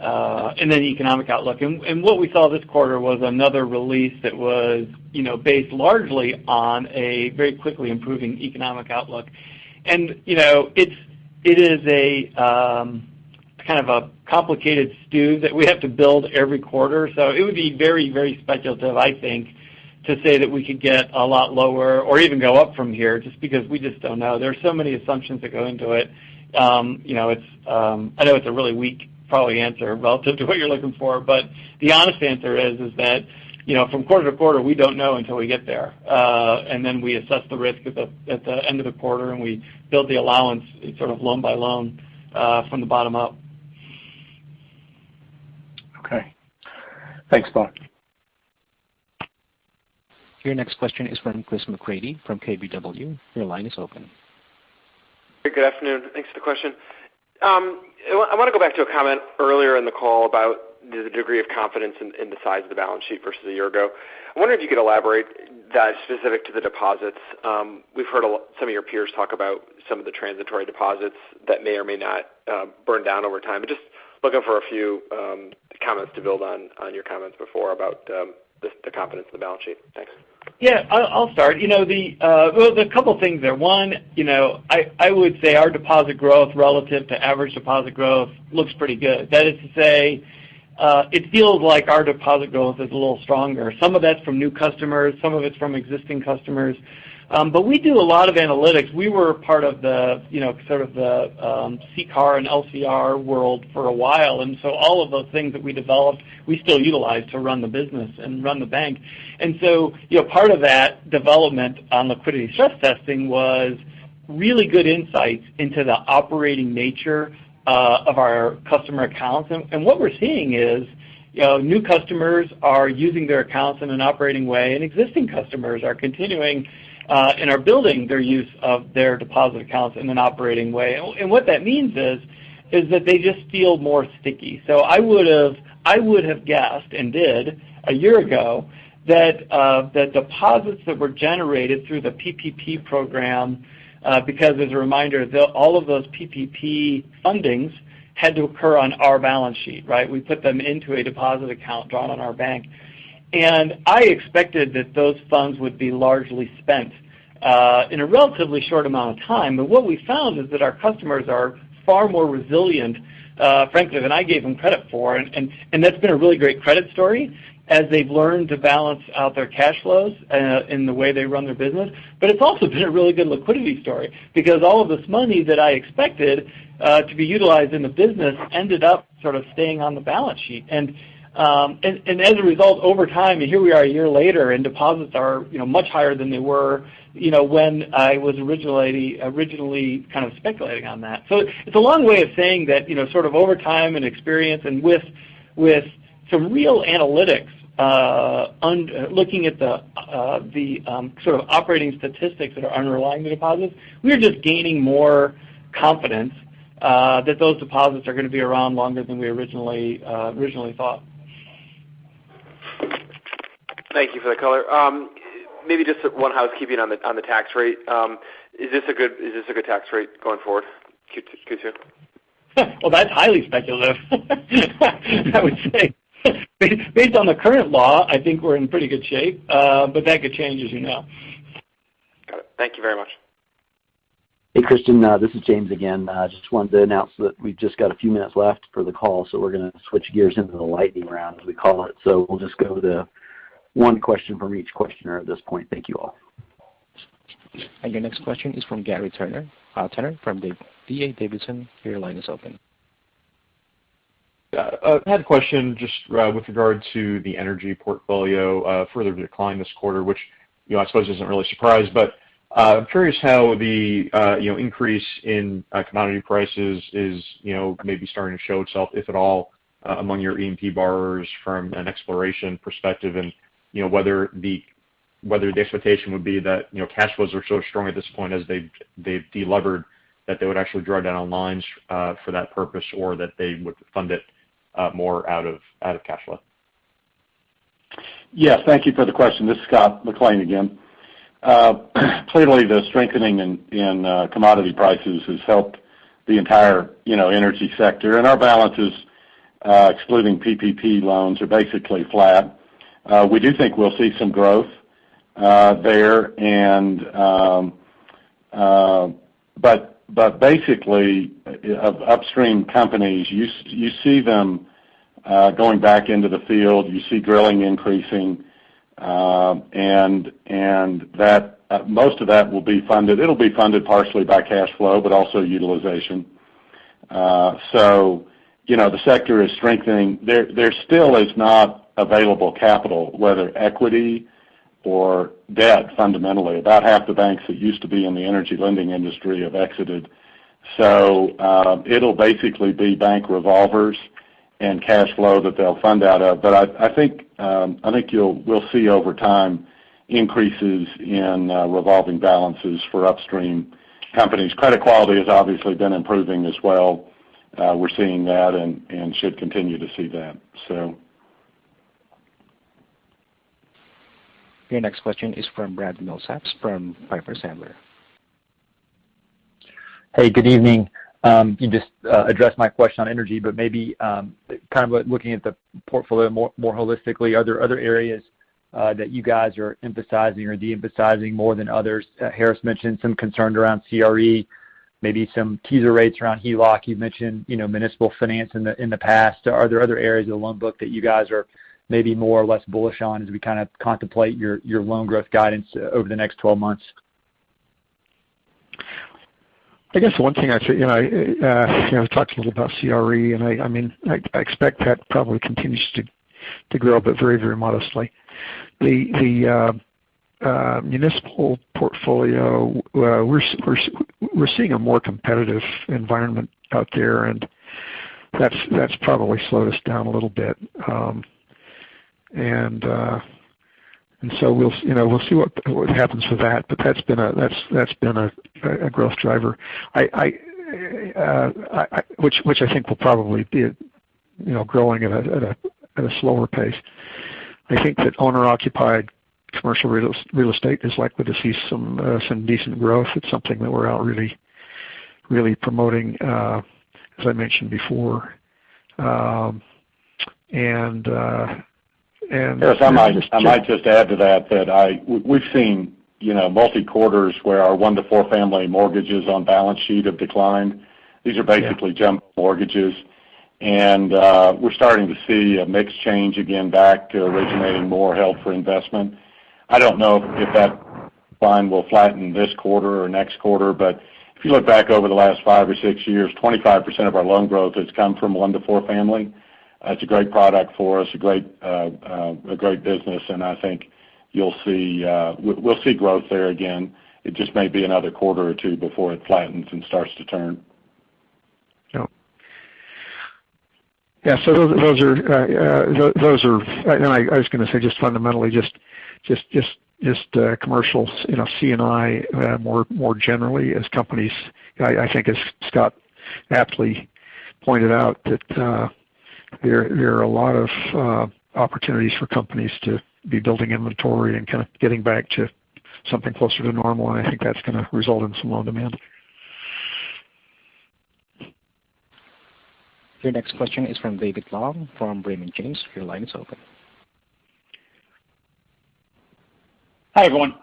[SPEAKER 5] economic outlook. What we saw this quarter was another release that was based largely on a very quickly improving economic outlook. It is a kind of a complicated stew that we have to build every quarter. It would be very, very speculative, I think, to say that we could get a lot lower or even go up from here, just because we just don't know. There's so many assumptions that go into it. I know it's a really weak, probably, answer relative to what you're looking for, but the honest answer is that from quarter to quarter, we don't know until we get there. Then we assess the risk at the end of the quarter, and we build the allowance sort of loan by loan from the bottom up.
[SPEAKER 11] Okay. Thanks, Paul.
[SPEAKER 1] Your next question is from Christopher McGratty from KBW. Your line is open.
[SPEAKER 12] Good afternoon. Thanks for the question. I want to go back to a comment earlier in the call about the degree of confidence in the size of the balance sheet versus a year ago. I wonder if you could elaborate that specific to the deposits. We've heard some of your peers talk about some of the transitory deposits that may or may not burn down over time, but just looking for a few comments to build on your comments before about the confidence in the balance sheet. Thanks.
[SPEAKER 5] Yeah. I'll start. There's a couple things there. One, I would say our deposit growth relative to average deposit growth looks pretty good. That is to say, it feels like our deposit growth is a little stronger. Some of that's from new customers, some of it's from existing customers. We do a lot of analytics. We were a part of the sort of the CCAR and LCR world for a while. So all of those things that we developed, we still utilize to run the business and run the bank. Part of that development on liquidity stress testing was really good insights into the operating nature of our customer accounts. What we're seeing is new customers are using their accounts in an operating way, and existing customers are continuing and are building their use of their deposit accounts in an operating way. What that means is that they just feel more sticky. I would have guessed, and did, a year ago that deposits that were generated through the PPP Program, because as a reminder, all of those PPP fundings had to occur on our balance sheet, right? We put them into a deposit account drawn on our bank. I expected that those funds would be largely spent in a relatively short amount of time. What we found is that our customers are far more resilient, frankly, than I gave them credit for, and that's been a really great credit story as they've learned to balance out their cash flows in the way they run their business. It's also been a really good liquidity story because all of this money that I expected to be utilized in the business ended up sort of staying on the balance sheet. As a result, over time, here we are a year later and deposits are much higher than they were when I was originally kind of speculating on that. It's a long way of saying that sort of over time and experience and with some real analytics looking at the sort of operating statistics that are underlying the deposits, we're just gaining more confidence that those deposits are going to be around longer than we originally thought.
[SPEAKER 12] Thank you for the color. Maybe just one housekeeping on the tax rate. Is this a good tax rate going forward, Q2?
[SPEAKER 5] Well, that's highly speculative. I would say based on the current law, I think we're in pretty good shape. That could change, as you know.
[SPEAKER 12] Got it. Thank you very much.
[SPEAKER 2] Hey, Christian, this is James again. Just wanted to announce that we've just got a few minutes left for the call, we're going to switch gears into the lightning round, as we call it. We'll just go to one question from each questioner at this point. Thank you all.
[SPEAKER 1] Your next question is from Gary Tenner from D.A. Davidson. Your line is open.
[SPEAKER 13] Yeah. I had a question just with regard to the energy portfolio further decline this quarter, which I suppose isn't really a surprise, but I'm curious how the increase in commodity prices is maybe starting to show itself, if at all, among your E&P borrowers from an exploration perspective and whether the expectation would be that cash flows are so strong at this point as they've de-levered, that they would actually draw down on lines for that purpose, or that they would fund it more out of cash flow?
[SPEAKER 4] Yes. Thank you for the question. This is Scott McLean again. Clearly, the strengthening in commodity prices has helped the entire energy sector. Our balances, excluding PPP loans, are basically flat. We do think we'll see some growth there. Basically, upstream companies, you see them going back into the field. You see drilling increasing, and most of that will be funded. It'll be funded partially by cash flow, but also utilization. The sector is strengthening. There still is not available capital, whether equity or debt, fundamentally. About half the banks that used to be in the energy lending industry have exited. It'll basically be bank revolvers and cash flow that they'll fund out of. I think we'll see over time increases in revolving balances for upstream companies. Credit quality has obviously been improving as well. We're seeing that and should continue to see that.
[SPEAKER 1] Your next question is from Brad Milsaps from Piper Sandler.
[SPEAKER 14] Hey, good evening. You just addressed my question on energy, but maybe kind of looking at the portfolio more holistically, are there other areas that you guys are emphasizing or de-emphasizing more than others? Harris mentioned some concerns around CRE, maybe some teaser rates around HELOC. You've mentioned municipal finance in the past. Are there other areas of the loan book that you guys are maybe more or less bullish on as we kind of contemplate your loan growth guidance over the next 12 months?
[SPEAKER 3] I guess the one thing actually, we talked a little about CRE. I expect that probably continues to grow, but very modestly. The municipal portfolio, we're seeing a more competitive environment out there. That's probably slowed us down a little bit. We'll see what happens with that. That's been a growth driver. Which I think will probably be growing at a slower pace. I think that owner-occupied commercial real estate is likely to see some decent growth. It's something that we're out really promoting, as I mentioned before.
[SPEAKER 4] Harris, I might just add to that we've seen multi quarters where our one to four family mortgages on balance sheet have declined. These are basically jumbo mortgages. We're starting to see a mix change again back to originating more held for investment. I don't know if that decline will flatten this quarter or next quarter, but if you look back over the last five or six years, 25% of our loan growth has come from one to four family. It's a great product for us, a great business, and I think we'll see growth there again. It just may be another quarter or two before it flattens and starts to turn.
[SPEAKER 3] Yep. Yeah. I was going to say just fundamentally, just commercials, C&I, more generally as companies, I think as Scott aptly pointed out that there are a lot of opportunities for companies to be building inventory and kind of getting back to something closer to normal, and I think that's going to result in some loan demand.
[SPEAKER 1] Your next question is from David Long from Raymond James. Your line is open.
[SPEAKER 15] Hi, everyone.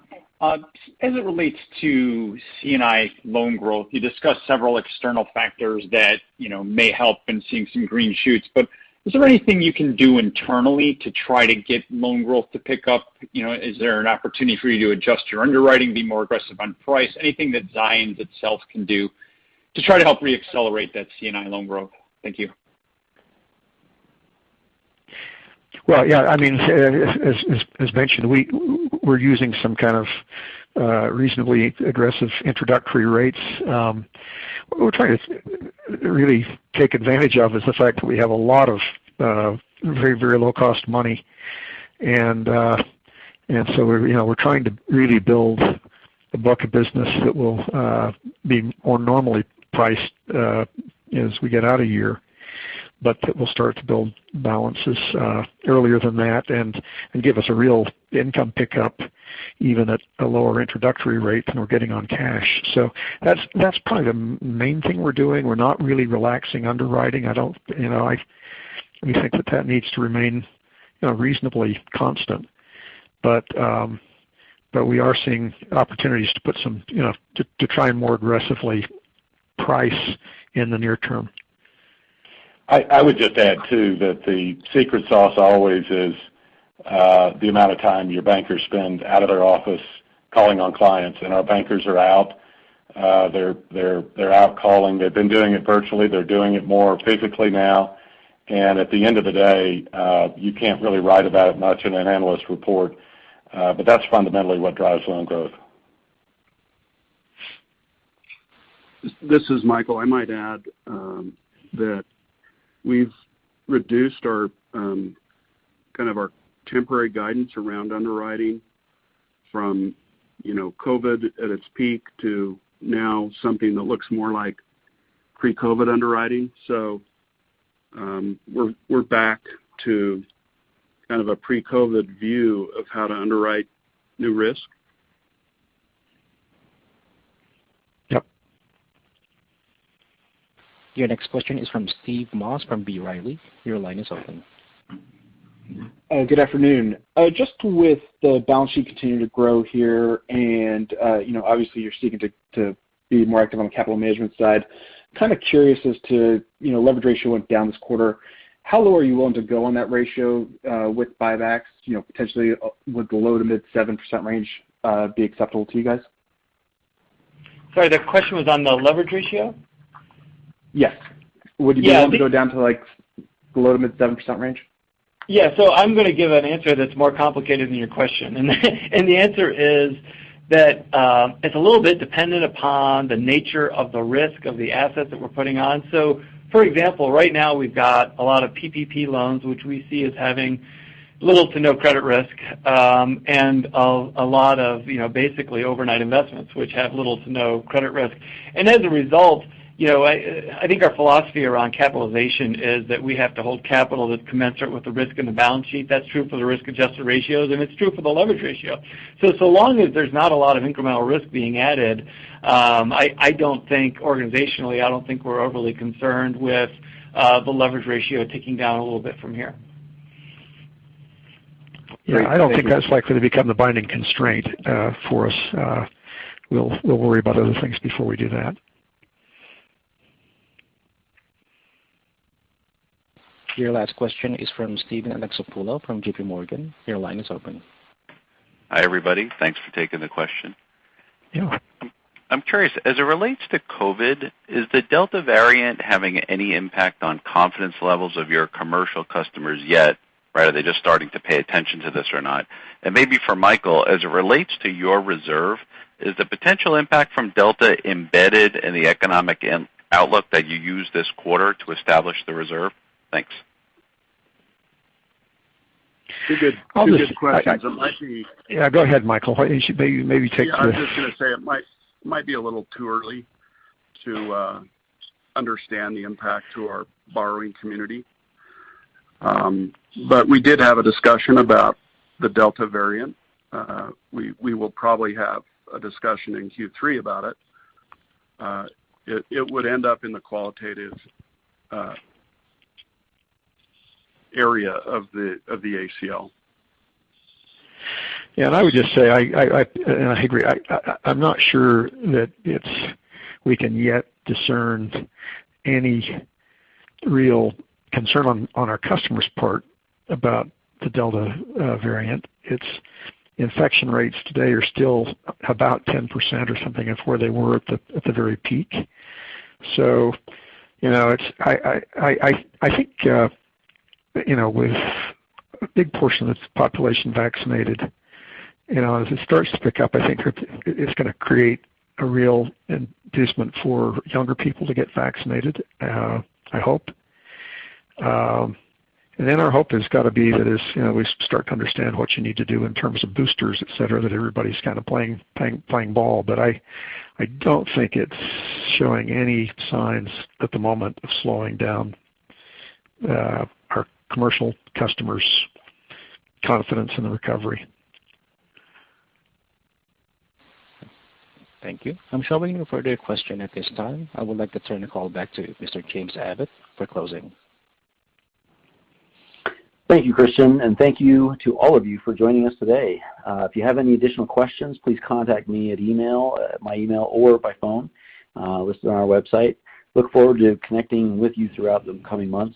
[SPEAKER 15] As it relates to C&I loan growth, you discussed several external factors that may help in seeing some green shoots, but is there anything you can do internally to try to get loan growth to pick up? Is there an opportunity for you to adjust your underwriting, be more aggressive on price? Anything that Zions itself can do to try to help re-accelerate that C&I loan growth? Thank you.
[SPEAKER 3] Well, yeah, as mentioned, we're using some kind of reasonably aggressive introductory rates. What we're trying to really take advantage of is the fact that we have a lot of very, very low-cost money. We're trying to really build a book of business that will be more normally priced as we get out of here, but that will start to build balances earlier than that and give us a real income pickup even at a lower introductory rate than we're getting on cash. That's probably the main thing we're doing. We're not really relaxing underwriting. We think that that needs to remain reasonably constant. We are seeing opportunities to try and more aggressively price in the near term.
[SPEAKER 4] I would just add, too, that the secret sauce always is the amount of time your bankers spend out of their office calling on clients. Our bankers are out. They're out calling. They've been doing it virtually. They're doing it more physically now. At the end of the day, you can't really write about it much in an analyst report. That's fundamentally what drives loan growth.
[SPEAKER 16] This is Michael. I might add that we've reduced kind of our temporary guidance around underwriting from COVID at its peak to now something that looks more like pre-COVID underwriting. We're back to kind of a pre-COVID view of how to underwrite new risk.
[SPEAKER 3] Yep.
[SPEAKER 1] Your next question is from Steve Moss from B. Riley. Your line is open.
[SPEAKER 17] Good afternoon. Just with the balance sheet continuing to grow here and obviously you're seeking to be more active on the capital management side. Kind of curious as to, leverage ratio went down this quarter. How low are you willing to go on that ratio with buybacks? Potentially would the low to mid 7% range be acceptable to you guys?
[SPEAKER 5] Sorry, the question was on the leverage ratio?
[SPEAKER 17] Yes. Would you be willing to go down to like below to mid 7% range?
[SPEAKER 5] Yeah. I'm going to give an answer that's more complicated than your question. The answer is that it's a little bit dependent upon the nature of the risk of the asset that we're putting on. For example, right now we've got a lot of PPP loans, which we see as having little to no credit risk, and a lot of basically overnight investments, which have little to no credit risk. As a result, I think our philosophy around capitalization is that we have to hold capital that's commensurate with the risk in the balance sheet. That's true for the risk-adjusted ratios, and it's true for the leverage ratio. So long as there's not a lot of incremental risk being added, organizationally, I don't think we're overly concerned with the leverage ratio ticking down a little bit from here.
[SPEAKER 3] Yeah, I don't think that's likely to become the binding constraint for us. We'll worry about other things before we do that.
[SPEAKER 1] Your last question is from Steven Alexopoulos from JPMorgan. Your line is open.
[SPEAKER 18] Hi, everybody. Thanks for taking the question.
[SPEAKER 3] Yeah.
[SPEAKER 18] I'm curious, as it relates to COVID, is the Delta variant having any impact on confidence levels of your commercial customers yet? Are they just starting to pay attention to this or not? Maybe for Michael, as it relates to your reserve, is the potential impact from Delta embedded in the economic outlook that you used this quarter to establish the reserve? Thanks.
[SPEAKER 16] Two good questions.
[SPEAKER 3] Yeah, go ahead, Michael. Maybe take the-
[SPEAKER 16] Yeah, I'm just going to say it might be a little too early to understand the impact to our borrowing community. We did have a discussion about the Delta variant. We will probably have a discussion in Q3 about it. It would end up in the qualitative area of the ACL.
[SPEAKER 3] Yeah, and I would just say, and I agree, I'm not sure that we can yet discern any real concern on our customers' part about the Delta variant. Its infection rates today are still about 10% or something of where they were at the very peak. I think with a big portion of this population vaccinated, as it starts to pick up, I think it's going to create a real inducement for younger people to get vaccinated, I hope. Our hope has got to be that as we start to understand what you need to do in terms of boosters, et cetera, that everybody's kind of playing ball. I don't think it's showing any signs at the moment of slowing down our commercial customers' confidence in the recovery.
[SPEAKER 1] Thank you. I'm showing no further question at this time. I would like to turn the call back to Mr. James Abbott for closing.
[SPEAKER 2] Thank you, Christian, and thank you to all of you for joining us today. If you have any additional questions, please contact me at my email or by phone listed on our website. Look forward to connecting with you throughout the coming months.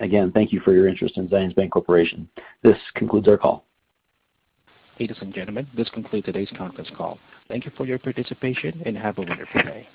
[SPEAKER 2] Again, thank you for your interest in Zions Bancorporation. This concludes our call.
[SPEAKER 1] Ladies and gentlemen, this concludes today's conference call. Thank you for your participation, and have a wonderful day.